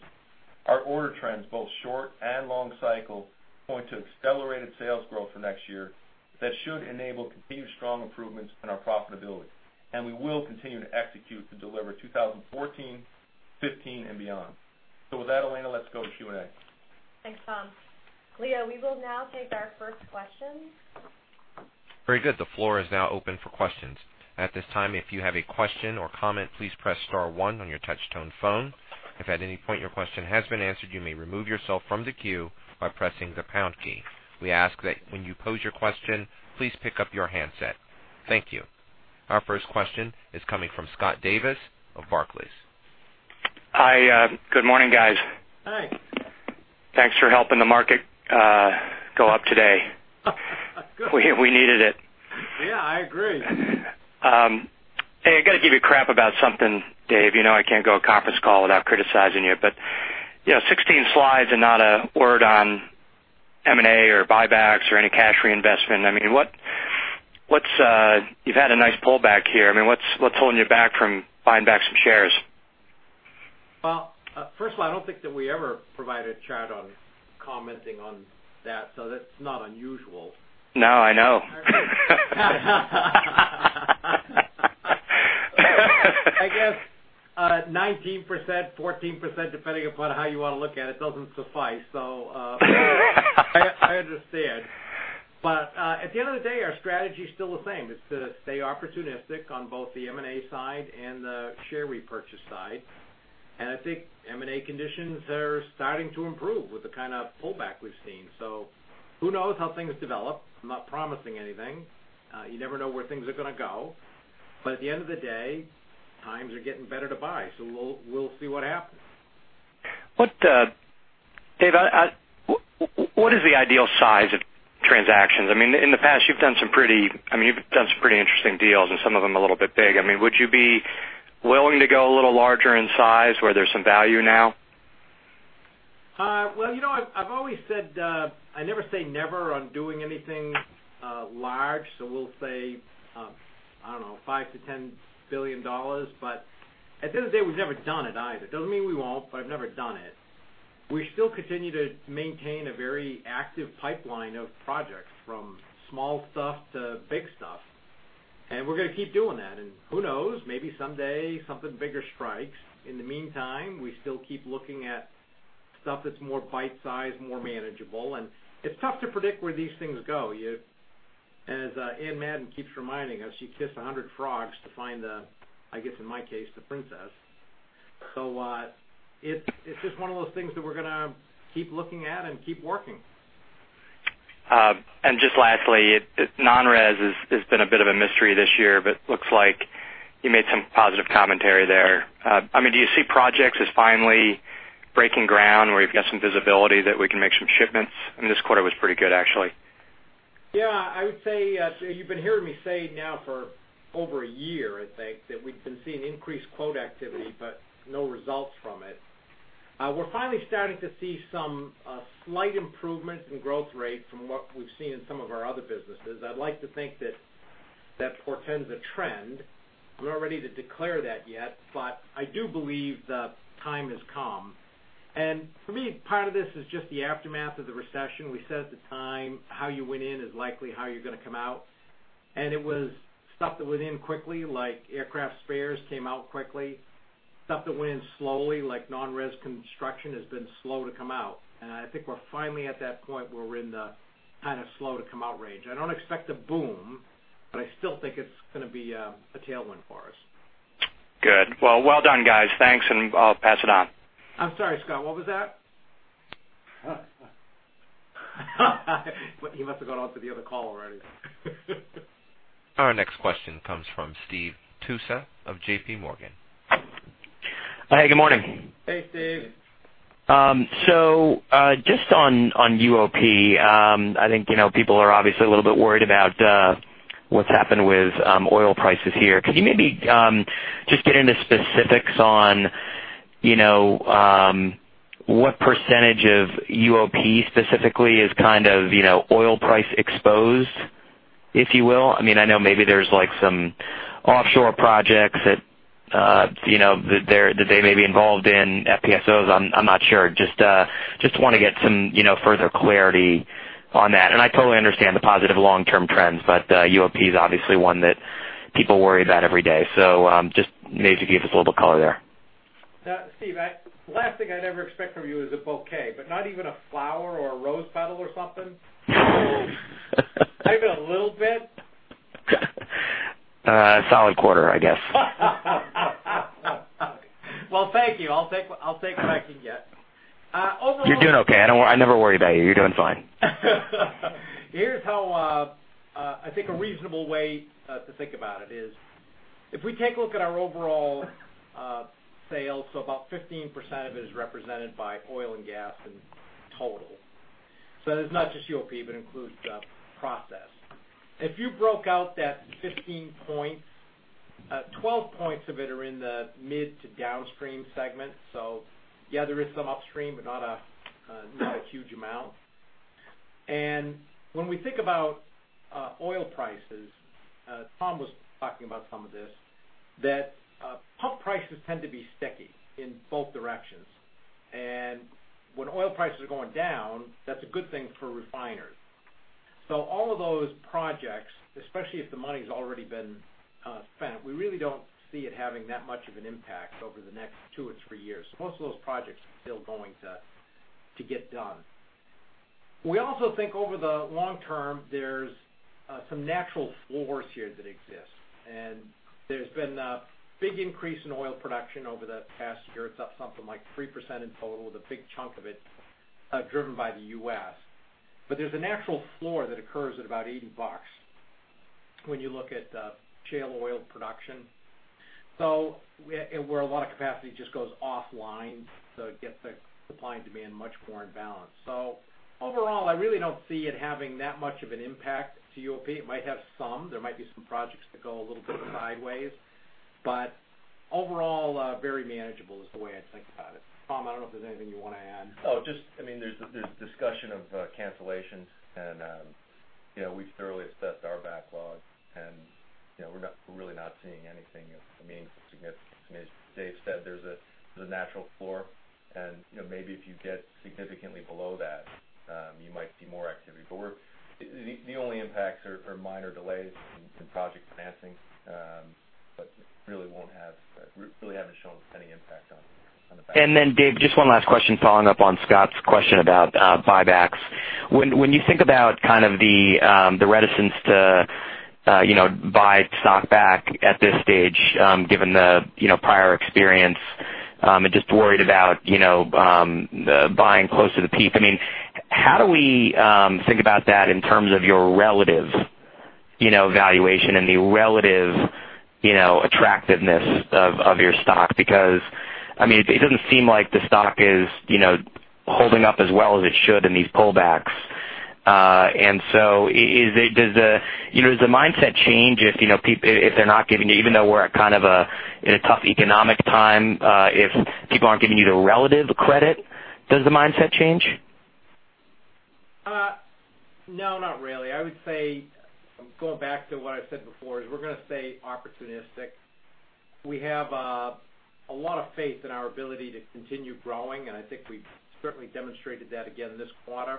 Our order trends, both short and long cycle, point to accelerated sales growth for next year that should enable continued strong improvements in our profitability. We will continue to execute to deliver 2014, 2015, and beyond. With that, Elena, let's go to Q&A. Thanks, Tom. Leo, we will now take our first question. Very good. The floor is now open for questions. At this time, if you have a question or comment, please press star one on your touch-tone phone. If at any point your question has been answered, you may remove yourself from the queue by pressing the pound key. We ask that when you pose your question, please pick up your handset. Thank you. Our first question is coming from Scott Davis of Barclays. Hi, good morning, guys. Hi. Thanks for helping the market go up today. Good. We needed it. Yeah, I agree. Hey, I got to give you crap about something, Dave. You know I can't go a conference call without criticizing you, but 16 slides and not a word on M&A or buybacks or any cash reinvestment. You've had a nice pullback here. What's holding you back from buying back some shares? Well, first of all, I don't think that we ever provide a chart on commenting on that, so that's not unusual. No, I know. I guess 19%, 14%, depending upon how you want to look at it, doesn't suffice. I understand. At the end of the day, our strategy is still the same. It's to stay opportunistic on both the M&A side and the share repurchase side. I think M&A conditions are starting to improve with the kind of pullback we've seen. Who knows how things develop. I'm not promising anything. You never know where things are going to go. At the end of the day, times are getting better to buy. We'll see what happens. Dave, what is the ideal size of transactions? In the past, you've done some pretty interesting deals, and some of them a little bit big. Would you be willing to go a little larger in size where there's some value now? Well, I've always said, "I never say never on doing anything large." We'll say, I don't know, $5 billion to $10 billion. At the end of the day, we've never done it either. It doesn't mean we won't, but I've never done it. We still continue to maintain a very active pipeline of projects, from small stuff to big stuff, and we're going to keep doing that. Who knows? Maybe someday something bigger strikes. In the meantime, we still keep looking at stuff that's more bite-size, more manageable. It's tough to predict where these things go. As Anne Madden keeps reminding us, she kissed 100 frogs to find the, I guess in my case, the princess. It's just one of those things that we're going to keep looking at and keep working. Just lastly, non-res has been a bit of a mystery this year, it looks like you made some positive commentary there. Do you see projects as finally breaking ground, where you've got some visibility that we can make some shipments? This quarter was pretty good, actually. Yeah, I would say, you've been hearing me say now for over a year, I think, that we've been seeing increased quote activity but no results from it. We're finally starting to see some slight improvements in growth rate from what we've seen in some of our other businesses. I'd like to think that portends a trend. We're not ready to declare that yet, but I do believe the time has come. For me, part of this is just the aftermath of the recession. We said at the time, how you went in is likely how you're going to come out. It was stuff that went in quickly, like aircraft spares, came out quickly. Stuff that went in slowly, like non-res construction, has been slow to come out. I think we're finally at that point where we're in the kind of slow to come out range. I don't expect a boom, but I still think it's going to be a tailwind for us. Good. Well done, guys. Thanks, and I'll pass it on. I'm sorry, Scott, what was that? He must've gone on to the other call already. Our next question comes from Steve Tusa of JP Morgan. Hey, good morning. Hey, Steve. Just on UOP, I think people are obviously a little bit worried about what's happened with oil prices here. Could you maybe just get into specifics on what percentage of UOP specifically is kind of oil price exposed, if you will? I know maybe there's some offshore projects that they may be involved in, FPSOs, I'm not sure. Just want to get some further clarity on that. I totally understand the positive long-term trends, but UOP is obviously one that people worry about every day. Just maybe give us a little color there. Steve, last thing I'd ever expect from you is a bouquet, not even a flower or a rose petal or something? Not even a little bit? A solid quarter, I guess. Thank you. I'll take what I can get. You're doing okay. I never worry about you. You're doing fine. Here's how I think a reasonable way to think about it is About 15% of it is represented by oil and gas in total. It's not just UOP, but includes process. If you broke out that 15 points, 12 points of it are in the mid to downstream segment. Yeah, there is some upstream, but not a huge amount. When we think about oil prices, Tom was talking about some of this, that pump prices tend to be sticky in both directions. When oil prices are going down, that's a good thing for refiners. All of those projects, especially if the money's already been spent, we really don't see it having that much of an impact over the next two or three years. Most of those projects are still going to get done. We also think over the long term, there's some natural floors here that exist. There's been a big increase in oil production over the past year. It's up something like 3% in total, with a big chunk of it driven by the U.S. There's a natural floor that occurs at about $80 when you look at shale oil production. Where a lot of capacity just goes offline, it gets the supply and demand much more in balance. Overall, I really don't see it having that much of an impact to UOP. It might have some, there might be some projects that go a little bit sideways, but overall, very manageable is the way I think about it. Tom, I don't know if there's anything you want to add. There's discussion of cancellations. We've thoroughly assessed our backlog. We're really not seeing anything of meaning or significance. As Dave said, there's a natural floor. Maybe if you get significantly below that, you might see more activity. The only impacts are minor delays in project financing. Really haven't shown any impact on the backlog. Dave, one last question following up on Scott's question about buybacks. When you think about the reticence to buy stock back at this stage, given the prior experience, worried about buying close to the peak, how do we think about that in terms of your relative valuation and the relative attractiveness of your stock? It doesn't seem like the stock is holding up as well as it should in these pullbacks. Does the mindset change if they're not giving you, even though we're in a tough economic time, if people aren't giving you the relative credit, does the mindset change? No, not really. I would say, going back to what I said before, is we're going to stay opportunistic. We have a lot of faith in our ability to continue growing. I think we've certainly demonstrated that again this quarter.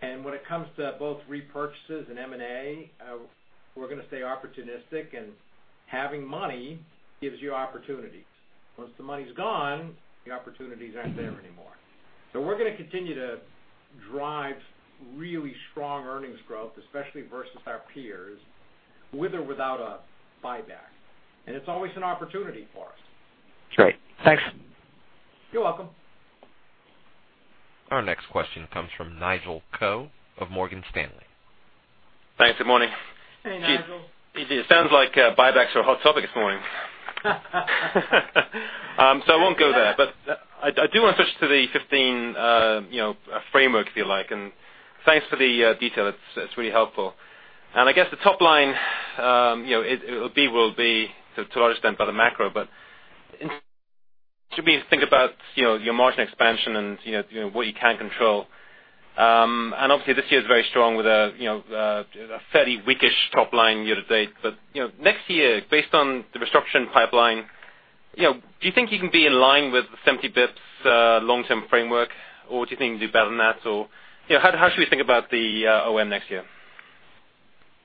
When it comes to both repurchases and M&A, we're going to stay opportunistic. Having money gives you opportunities. Once the money's gone, the opportunities aren't there anymore. We're going to continue to drive really strong earnings growth, especially versus our peers, with or without a buyback. It's always an opportunity for us. Great. Thanks. You're welcome. Our next question comes from Nigel Coe of Morgan Stanley. Thanks. Good morning. Hey, Nigel. It sounds like buybacks are a hot topic this morning. I won't go there, but I do want to switch to the 15 framework, if you like. Thanks for the detail. It's really helpful. I guess the top line, it will be to a large extent by the macro, but should we think about your margin expansion and what you can control? Obviously, this year is very strong with a fairly weak-ish top line year to date. Next year, based on the restructuring pipeline, do you think you can be in line with the 70 basis points long-term framework? Or do you think you can do better than that? Or how should we think about the OM next year?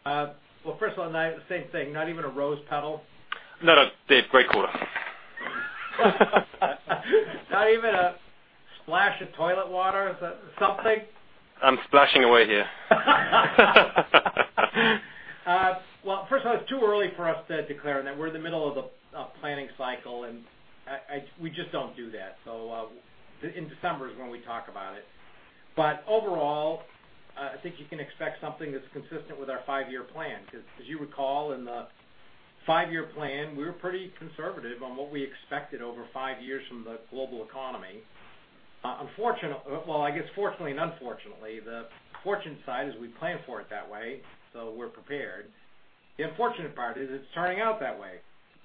Well, first of all, Nigel, same thing, not even a rose petal? No, Dave, great quarter. Not even a splash of toilet water? Something? I'm splashing away here. First of all, it's too early for us to declare. We're in the middle of a planning cycle, we just don't do that. In December is when we talk about it. Overall, I think you can expect something that's consistent with our five-year plan. As you recall, in the five-year plan, we were pretty conservative on what we expected over five years from the global economy. I guess fortunately and unfortunately, the fortunate side is we plan for it that way, so we're prepared. The unfortunate part is it's turning out that way.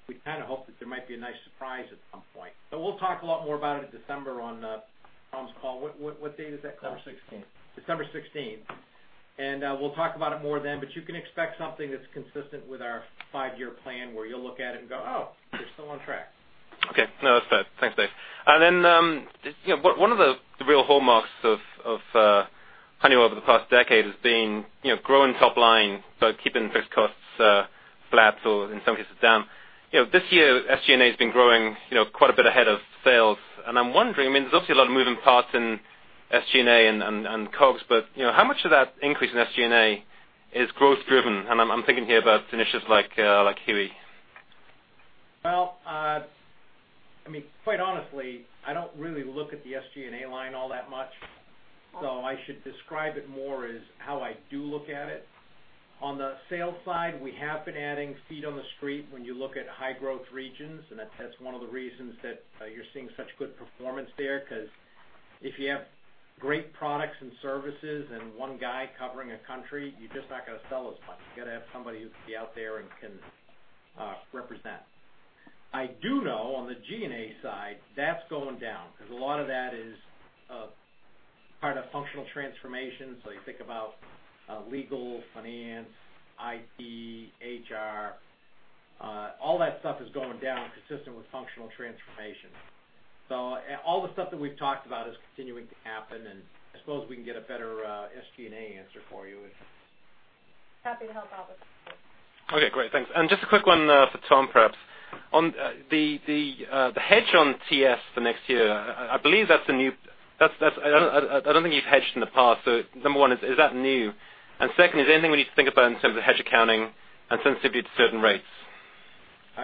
We kind of hope that there might be a nice surprise at some point. We'll talk a lot more about it in December on Tom's call. What date is that call? December 16th. December 16th. We'll talk about it more then, you can expect something that's consistent with our five-year plan, where you'll look at it and go, "Oh, they're still on track. Okay. No, that's fair. Thanks, Dave. One of the real hallmarks of Honeywell over the past decade has been growing top line, but keeping fixed costs flat or in some cases, down. This year, SG&A has been growing quite a bit ahead of sales. I'm wondering, there's obviously a lot of moving parts in SG&A and COGS, but how much of that increase in SG&A is growth driven? I'm thinking here about initiatives like HUE. Quite honestly, I don't really look at the SG&A line all that much, so I should describe it more as how I do look at it. On the sales side, we have been adding feet on the street when you look at high growth regions, and that's one of the reasons that you're seeing such good performance there, because if you have great products and services and one guy covering a country, you're just not going to sell as much. You got to have somebody who can be out there and can represent. I do know on the G&A side, that's going down, because a lot of that is part of functional transformation. You think about legal, finance, IT, HR. All that stuff is going down consistent with functional transformation. All the stuff that we've talked about is continuing to happen, and I suppose we can get a better SG&A answer for you. Happy to help, Nigel. Okay, great. Thanks. Just a quick one for Tom, perhaps. On the hedge on TS for next year, I believe that's new. I don't think you've hedged in the past. Number one, is that new? Second, is there anything we need to think about in terms of hedge accounting and sensitivity to certain rates?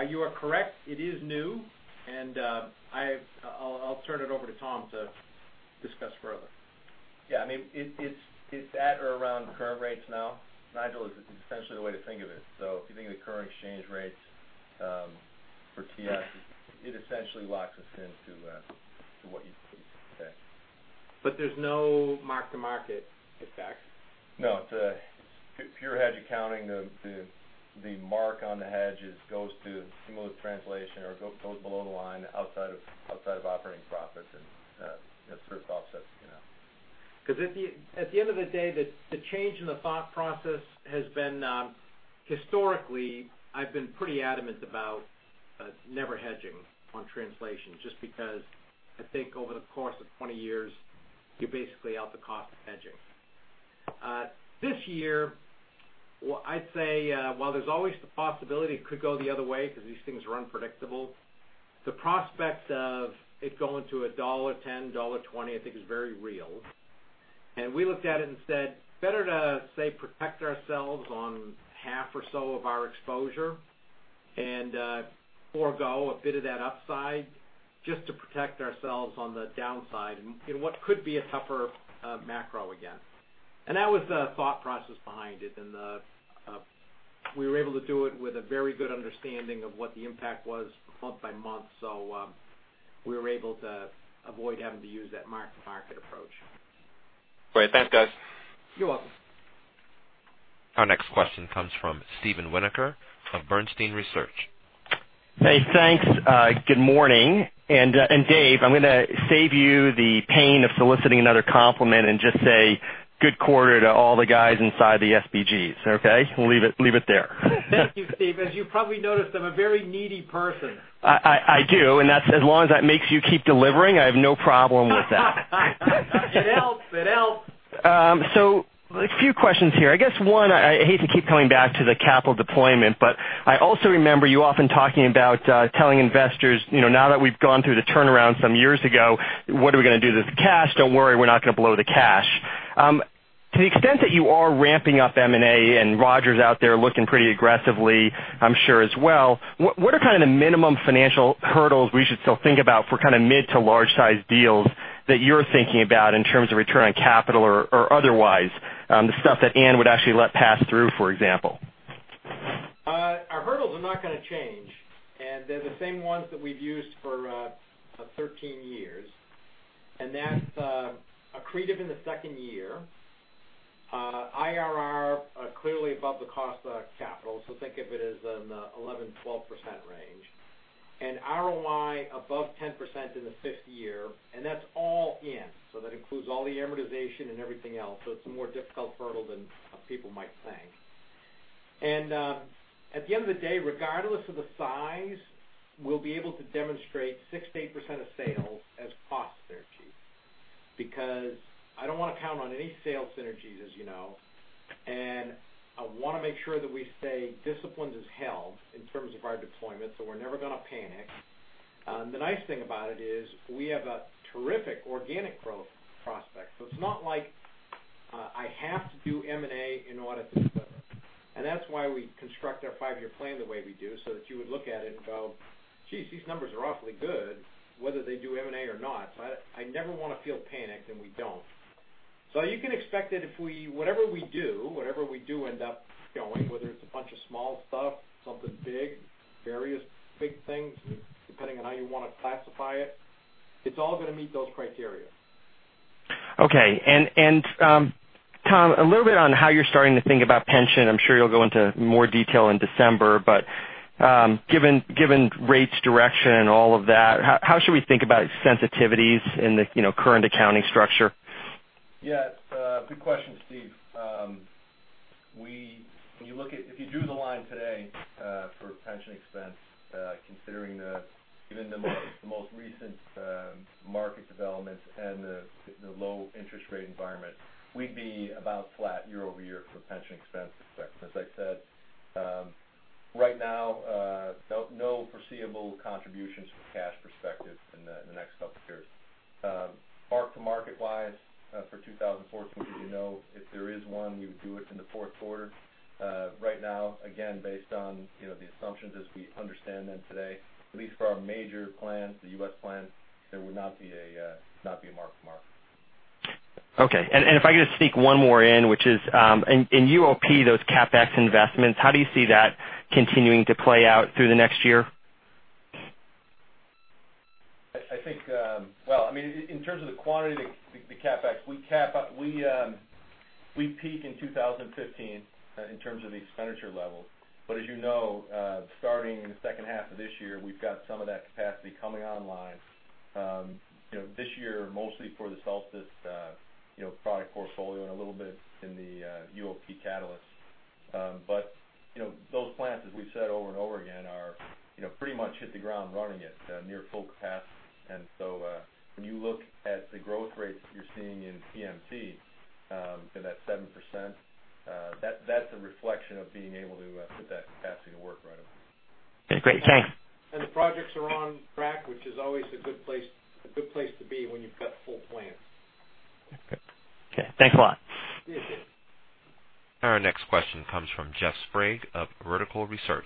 You are correct, it is new, and I'll turn it over to Tom to discuss further. Yeah. It's at or around current rates now, Nigel, is essentially the way to think of it. If you think of the current exchange rates for TS, it essentially locks us into what you'd see today. There's no mark-to-market effect? No. It's a pure hedge accounting. The mark on the hedges goes to smooth translation or goes below the line outside of operating profits and sort of offsets. At the end of the day, the change in the thought process has been, historically, I've been pretty adamant about never hedging on translation, just because I think over the course of 20 years, you're basically out the cost of hedging. This year, I'd say, while there's always the possibility it could go the other way because these things are unpredictable, the prospect of it going to $1.10, $1.20, I think is very real. We looked at it and said, "Better to, say, protect ourselves on half or so of our exposure and forego a bit of that upside just to protect ourselves on the downside in what could be a tougher macro again." That was the thought process behind it. We were able to do it with a very good understanding of what the impact was month by month. We were able to avoid having to use that mark-to-market approach. Great. Thanks, guys. You're welcome. Our next question comes from Steven Winoker of Bernstein Research. Hey, thanks. Good morning. Dave, I'm going to save you the pain of soliciting another compliment and just say good quarter to all the guys inside the SBGs, okay? We'll leave it there. Thank you, Steve. As you probably noticed, I'm a very needy person. I do, and as long as that makes you keep delivering, I have no problem with that. It helps. A few questions here. I guess one, I hate to keep coming back to the capital deployment, but I also remember you often talking about telling investors, now that we've gone through the turnaround some years ago, what are we going to do with this cash? Don't worry, we're not going to blow the cash. To the extent that you are ramping up M&A and Roger's out there looking pretty aggressively, I'm sure, as well, what are the minimum financial hurdles we should still think about for mid-to-large-sized deals that you're thinking about in terms of return on capital or otherwise? The stuff that Anne would actually let pass through, for example. Our hurdles are not going to change, and they're the same ones that we've used for 13 years, and that's accretive in the second year, IRR clearly above the cost of capital. Think of it as an 11%-12% range, and ROI above 10% in the fifth year, and that's all in. That includes all the amortization and everything else. It's a more difficult hurdle than people might think. At the end of the day, regardless of the size, we'll be able to demonstrate 6%-8% of sales as cost synergies. I don't want to count on any sales synergies, as you know. I want to make sure that we stay disciplined, as hell in terms of our deployment, so we're never going to panic. The nice thing about it is we have a terrific organic growth prospect. It's not like I have to do M&A in order to deliver. That's why we construct our five-year plan the way we do, so that you would look at it and go, "Geez, these numbers are awfully good, whether they do M&A or not." I never want to feel panicked, and we don't. You can expect that whatever we do end up going, whether it's a bunch of small stuff, something big, various big things, depending on how you want to classify it's all going to meet those criteria. Okay. Tom, a little bit on how you're starting to think about pension. I'm sure you'll go into more detail in December, but given rates direction and all of that, how should we think about sensitivities in the current accounting structure? Yeah. Good question, Steve. If you drew the line today for pension expense, considering even the most recent market developments and the low interest rate environment, we'd be about flat year-over-year for pension expense effect. As I said, right now, no foreseeable contributions from a cash perspective in the next couple of years. Mark-to-market wise for 2014, as you know, if there is one, we would do it in the fourth quarter. Right now, again, based on the assumptions as we understand them today, at least for our major plans, the U.S. plan, there would not be a mark-to-market. Okay. If I could just sneak one more in, which is, in UOP, those CapEx investments, how do you see that continuing to play out through the next year? Well, in terms of the quantity, the CapEx, we peaked in 2015 in terms of the expenditure level. As you know, starting in the second half of this year, we've got some of that capacity coming online. This year, mostly for the Solstice product portfolio and a little bit in the UOP catalyst. Those plants, as we've said over and over again, pretty much hit the ground running at near full capacity. When you look at the growth rates that you're seeing in CMC, that 7%, that's a reflection of being able to put that capacity to work right away. Great. Thanks. The projects are on track, which is always a good place to be when you've got full plans. Okay. Thanks a lot. Thank you. Our next question comes from Jeff Sprague of Vertical Research.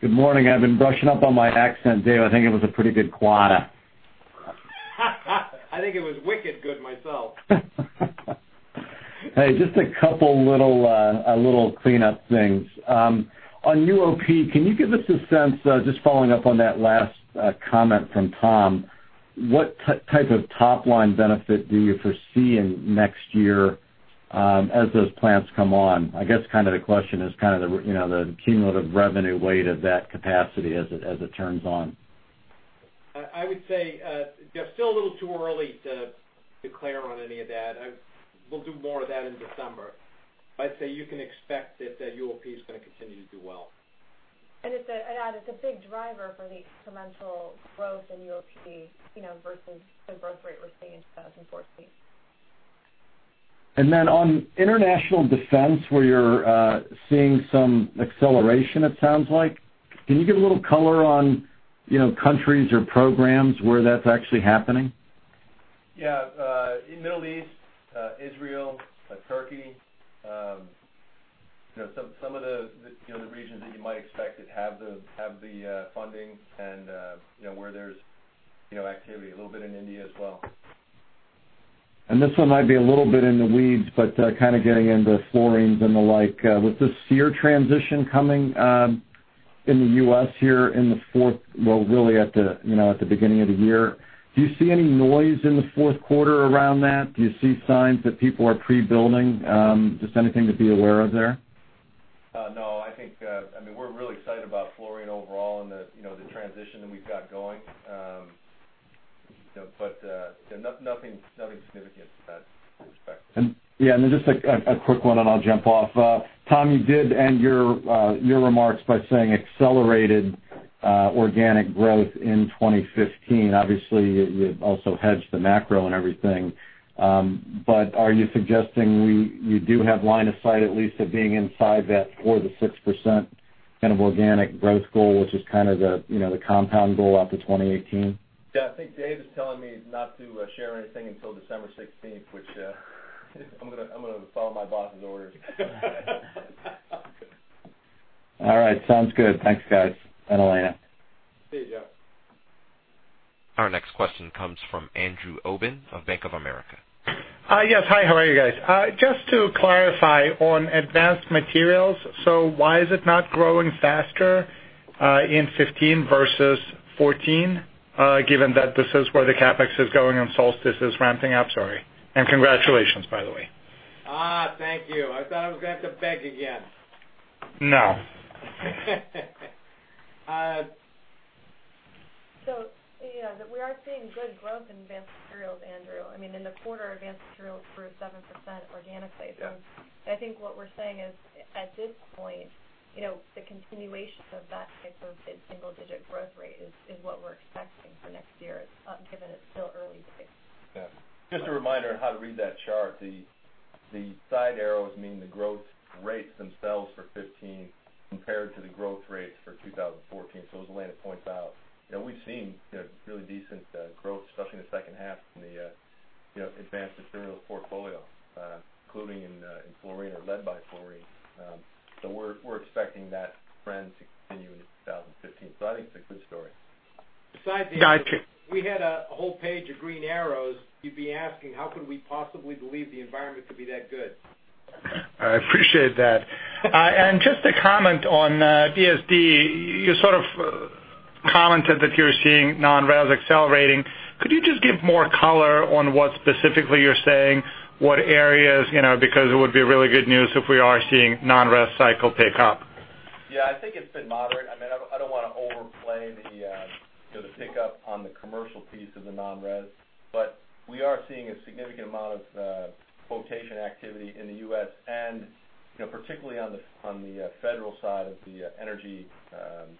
Good morning. I've been brushing up on my accent, Dave. I think it was a pretty good quarter. I think it was wicked good myself. Hey, just a couple little cleanup things. On UOP, can you give us a sense, just following up on that last comment from Tom, what type of top-line benefit do you foresee in next year as those plants come on? I guess the question is the cumulative revenue weight of that capacity as it turns on. I would say, Jeff, still a little too early to declare on any of that. We'll do more of that in December. I'd say you can expect that UOP is going to continue to do well. I'd add, it's a big driver for the incremental growth in UOP, versus the growth rate we're seeing in 2014. On international defense, where you're seeing some acceleration, it sounds like, can you give a little color on countries or programs where that's actually happening? Yeah. In Middle East, Israel, Turkey. Some of the regions that you might expect that have the funding, and where there's activity. A little bit in India as well. This one might be a little bit in the weeds, but kind of getting into fluorines and the like. With the SEER transition coming in the U.S. here, really at the beginning of the year, do you see any noise in the fourth quarter around that? Do you see signs that people are pre-building? Just anything to be aware of there? No. We're really excited about fluorine overall and the transition that we've got going. Nothing significant in that respect. Yeah, just a quick one, I'll jump off. Tom, you did end your remarks by saying accelerated organic growth in 2015. Obviously, you also hedged the macro and everything. Are you suggesting you do have line of sight, at least, of being inside that 4%-6% kind of organic growth goal, which is kind of the compound goal out to 2018? Yeah, I think Dave is telling me not to share anything until December 16th, which I'm going to follow my boss's orders. All right, sounds good. Thanks, guys. Elena. See you, Jeff. Our next question comes from Andrew Obin of Bank of America. Yes. Hi, how are you guys? Just to clarify on advanced materials, why is it not growing faster in 2015 versus 2014, given that this is where the CapEx is going and Solstice is ramping up? Sorry. Congratulations, by the way. Thank you. I thought I was going to have to beg again. No. Yeah, we are seeing good growth in advanced materials, Andrew. In the quarter, advanced materials grew 7% organically. Yeah. I think what we're saying is, at this point, the continuation of that type of mid-single digit growth rate is what we're expecting for next year, given it's still early days. Yeah. Just a reminder on how to read that chart. The side arrows mean the growth rates themselves for 2015 compared to the growth rates for 2014. As Elena points out, we've seen really decent growth, especially in the second half in the advanced materials portfolio, including in fluorine or led by fluorine. We're expecting that trend to continue into 2015. I think it's a good story. Besides if we had a whole page of green arrows, you'd be asking how could we possibly believe the environment could be that good? I appreciate that. Just a comment on VSD, you sort of commented that you're seeing non-res accelerating. Could you just give more color on what specifically you're saying? What areas? Because it would be really good news if we are seeing non-res cycle pick up. Yeah, I think it's been moderate. I don't want to overplay the pick up on the commercial piece of the non-res, but we are seeing a significant amount of quotation activity in the U.S., particularly on the federal side of the energy vertical.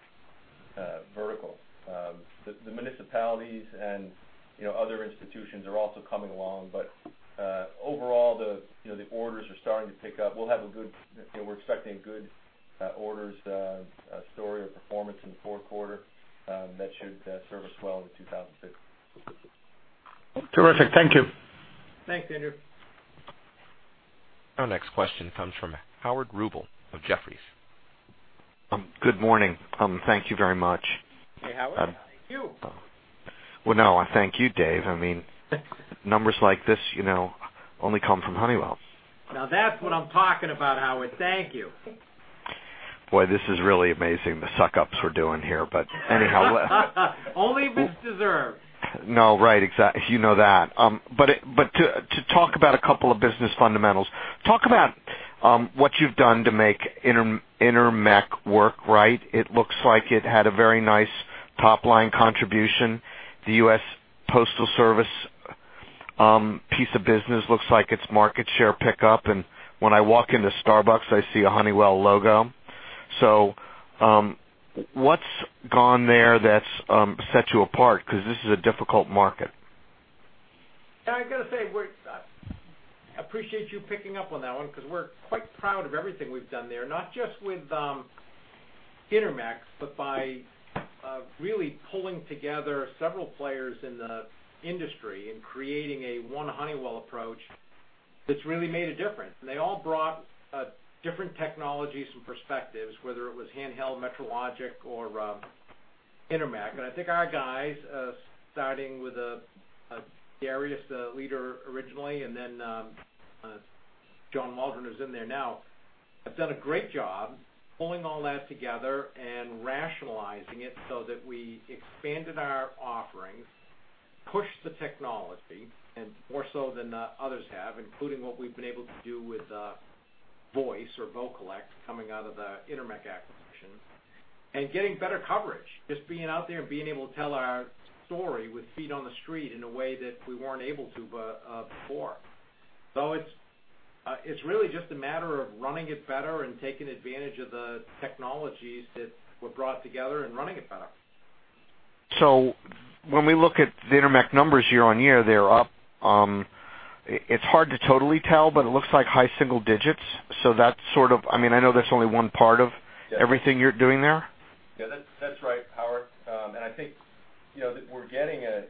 The municipalities and other institutions are also coming along. Overall, the orders are starting to pick up. We're expecting a good orders story or performance in the fourth quarter that should serve us well into 2016. Terrific. Thank you. Thanks, Andrew. Our next question comes from Howard Rubel of Jefferies. Good morning. Thank you very much. Hey, Howard. Thank you. Well, no, thank you, Dave. Numbers like this only come from Honeywell. That's what I'm talking about, Howard. Thank you. Boy, this is really amazing, the suck-ups we're doing here. Only if it's deserved. To talk about a couple of business fundamentals, talk about what you've done to make Intermec work right. It looks like it had a very nice top-line contribution. The United States Postal Service piece of business looks like it's market share pick-up, and when I walk into Starbucks, I see a Honeywell logo. What's gone there that's set you apart? Because this is a difficult market. I've got to say, I appreciate you picking up on that one, because we're quite proud of everything we've done there, not just with Intermec, but by really pulling together several players in the industry and creating a one Honeywell approach that's really made a difference. They all brought different technologies and perspectives, whether it was handheld Metrologic or Intermec. I think our guys, starting with Darius, the leader originally, and then John Waldron, who's in there now, have done a great job pulling all that together and rationalizing it so that we expanded our offerings, pushed the technology, and more so than others have, including what we've been able to do with voice or Vocollect coming out of the Intermec acquisition, and getting better coverage. Just being out there and being able to tell our story with feet on the street in a way that we weren't able to before. It's really just a matter of running it better and taking advantage of the technologies that were brought together and running it better. When we look at the Intermec numbers year-on-year, they're up. It's hard to totally tell, but it looks like high single digits. I know that's only one part of everything you're doing there. Yes, that's right, Howard. I think that we're getting at, as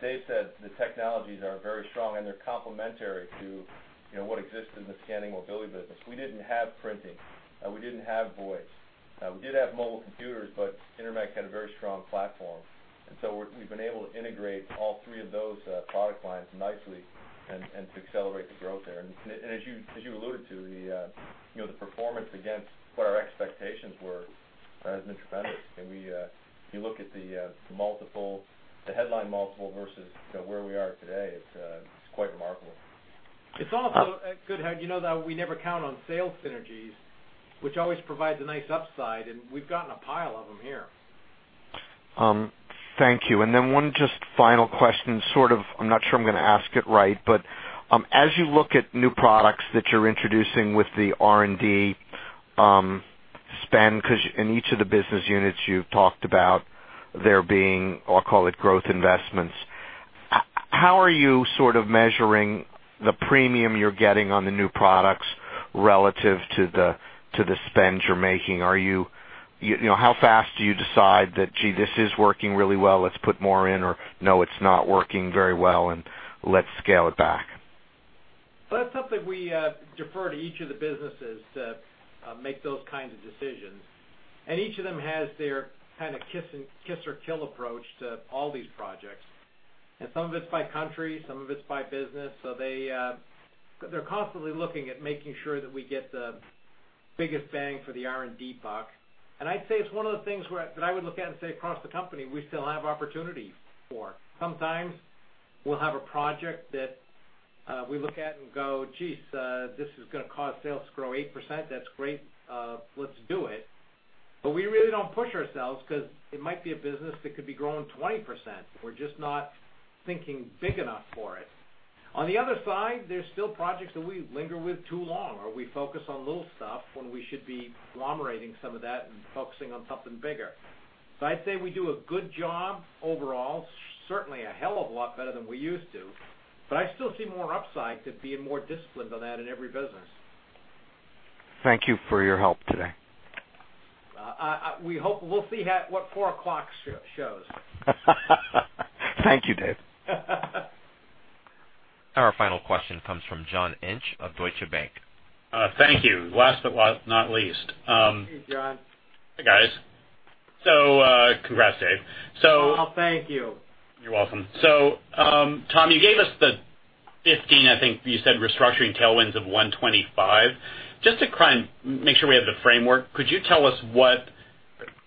Dave said, the technologies are very strong, and they're complementary to what exists in the Scanning and Mobility business. We didn't have printing. We didn't have voice. We did have mobile computers, but Intermec had a very strong platform. We've been able to integrate all three of those product lines nicely and to accelerate the growth there. As you alluded to, the performance against what our expectations were has been tremendous. If you look at the headline multiple versus where we are today, it's quite remarkable. It's also good, Howard, you know that we never count on sales synergies, which always provides a nice upside. We've gotten a pile of them here. Thank you. One just final question, sort of, I'm not sure I'm going to ask it right, as you look at new products that you're introducing with the R&D spend, because in each of the business units you've talked about there being, I'll call it, growth investments, how are you measuring the premium you're getting on the new products relative to the spend you're making? How fast do you decide that, gee, this is working really well, let's put more in, or no, it's not working very well, and let's scale it back? That's something we defer to each of the businesses to make those kinds of decisions. Each of them has their kind of kiss or kill approach to all these projects. Some of it's by country, some of it's by business. They're constantly looking at making sure that we get the biggest bang for the R&D buck. I'd say it's one of the things that I would look at and say across the company, we still have opportunities for. Sometimes we'll have a project that we look at and go, "Geez, this is going to cause sales to grow 8%. That's great. Let's do it." We really don't push ourselves because it might be a business that could be growing 20%. We're just not thinking big enough for it. On the other side, there's still projects that we linger with too long, or we focus on little stuff when we should be agglomerating some of that and focusing on something bigger. I'd say we do a good job overall, certainly a hell of a lot better than we used to, but I still see more upside to being more disciplined on that in every business. Thank you for your help today. We'll see what 4:00 shows. Thank you, Dave. Our final question comes from John Inch of Deutsche Bank. Thank you. Last but not least. Hey, John. Hey, guys. Congrats, Dave. Thank you. You're welcome. Tom, you gave us the 15, I think you said, restructuring tailwinds of $125. Just to make sure we have the framework, could you tell us what,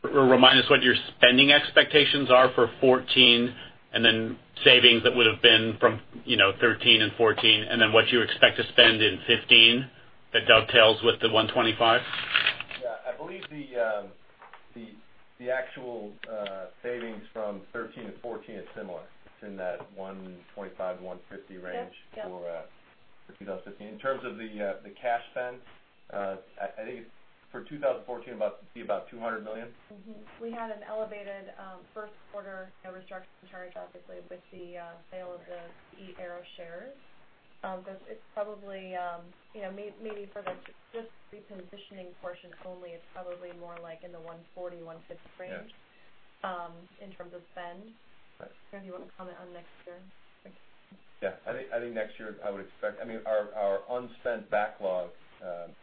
or remind us what your spending expectations are for 2014, and then savings that would have been from 2013 and 2014, and then what you expect to spend in 2015, that dovetails with the $125? Yeah, I believe the actual savings from 2013 to 2014 is similar. It's in that $125, $150 range for 2015. In terms of the cash spend, I think for 2014, it'd be about $200 million. We had an elevated first quarter restructure charge, obviously, with the sale of the E-Aero shares. Maybe for the just repositioning portion only, it's probably more like in the $140-$150 range. In terms of spend. Right. If you want to comment on next year. Yeah. I think next year, our unspent backlog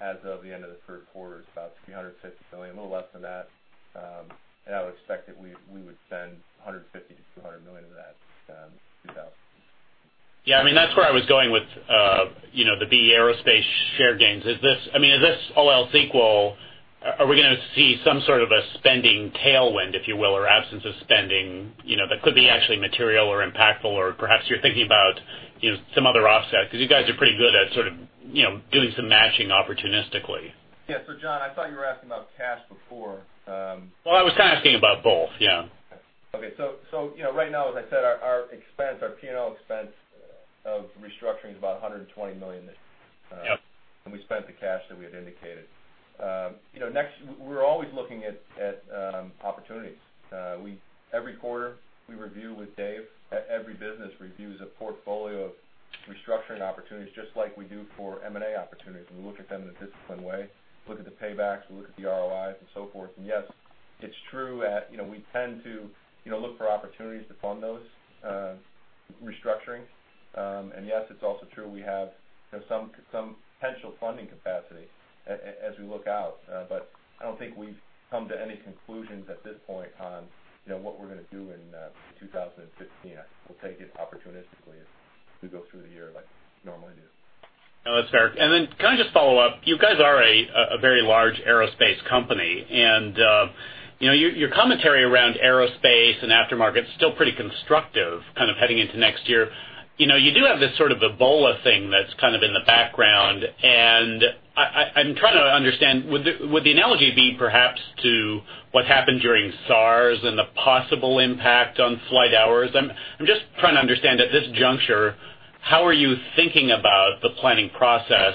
as of the end of the third quarter is about $350 million, a little less than that. I would expect that we would spend $150 million-$200 million of that, 2000. Yeah, that's where I was going with, the E-Aero share gains. Is this all else equal? Are we going to see some sort of a spending tailwind, if you will, or absence of spending, that could be actually material or impactful or perhaps you're thinking about, some other offset because you guys are pretty good at sort of, doing some matching opportunistically? Yeah. John, I thought you were asking about cash before. I was kind of thinking about both. Yeah. Right now, as I said, our expense, our P&L expense of restructuring is about $120 million. Yep. We spent the cash that we had indicated. We're always looking at opportunities. Every quarter, we review with Dave, every business reviews a portfolio of restructuring opportunities just like we do for M&A opportunities. We look at them in a disciplined way, look at the paybacks, we look at the ROIs and so forth. Yes, it's true, we tend to look for opportunities to fund those restructurings. Yes, it's also true we have some potential funding capacity as we look out. I don't think we've come to any conclusions at this point on what we're going to do in 2015. We'll take it opportunistically as we go through the year like we normally do. No, that's fair. Can I just follow up? You guys are a very large aerospace company, and your commentary around aerospace and aftermarket's still pretty constructive kind of heading into next year. You do have this sort of Ebola thing that's kind of in the background, and I'm trying to understand, would the analogy be perhaps to what happened during SARS and the possible impact on flight hours? I'm just trying to understand at this juncture, how are you thinking about the planning process,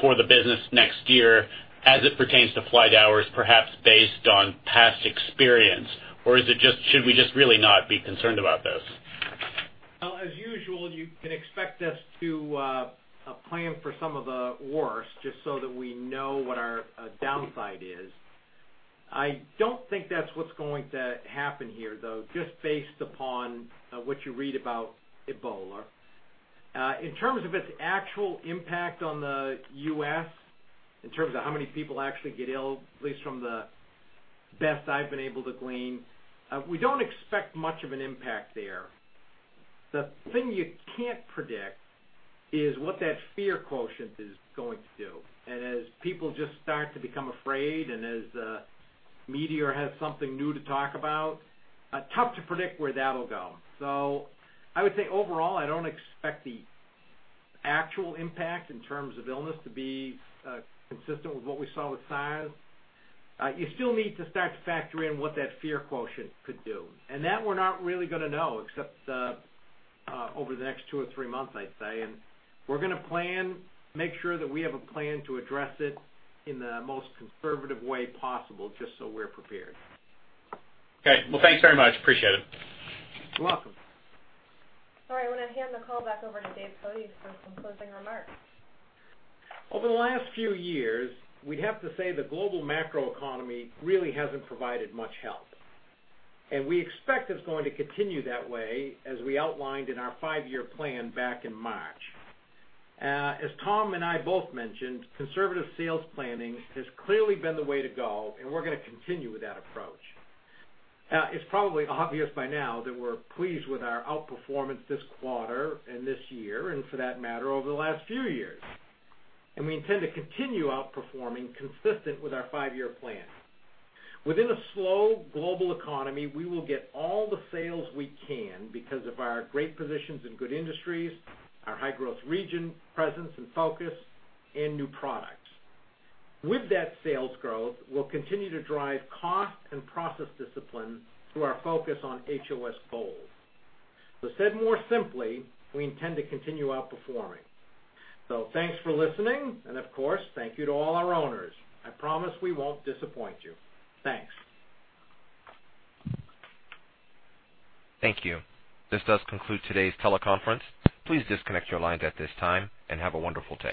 for the business next year as it pertains to flight hours, perhaps based on past experience? Should we just really not be concerned about this? Well, as usual, you can expect us to plan for some of the worst just so that we know what our downside is. I don't think that's what's going to happen here, though, just based upon what you read about Ebola. In terms of its actual impact on the U.S., in terms of how many people actually get ill, at least from the best I've been able to glean, we don't expect much of an impact there. The thing you can't predict is what that fear quotient is going to do. As people just start to become afraid and as the media has something new to talk about, tough to predict where that'll go. I would say overall, I don't expect the actual impact in terms of illness to be consistent with what we saw with SARS. You still need to start to factor in what that fear quotient could do. That we're not really going to know, except over the next two or three months, I'd say. We're going to plan, make sure that we have a plan to address it in the most conservative way possible just so we're prepared. Okay. Well, thanks very much. Appreciate it. You’re welcome. I’m going to hand the call back over to Dave Cote for some closing remarks. Over the last few years, we’d have to say the global macroeconomy really hasn’t provided much help. We expect it’s going to continue that way as we outlined in our five-year plan back in March. As Tom and I both mentioned, conservative sales planning has clearly been the way to go, and we’re going to continue with that approach. It’s probably obvious by now that we’re pleased with our outperformance this quarter and this year, and for that matter, over the last few years. We intend to continue outperforming consistent with our five-year plan. Within a slow global economy, we will get all the sales we can because of our great positions in good industries, our high-growth region presence and focus, and new products. With that sales growth, we’ll continue to drive cost and process discipline through our focus on HOS goals. Said more simply, we intend to continue outperforming. Thanks for listening, and of course, thank you to all our owners. I promise we won’t disappoint you. Thanks. Thank you. This does conclude today's teleconference. Please disconnect your lines at this time, and have a wonderful day.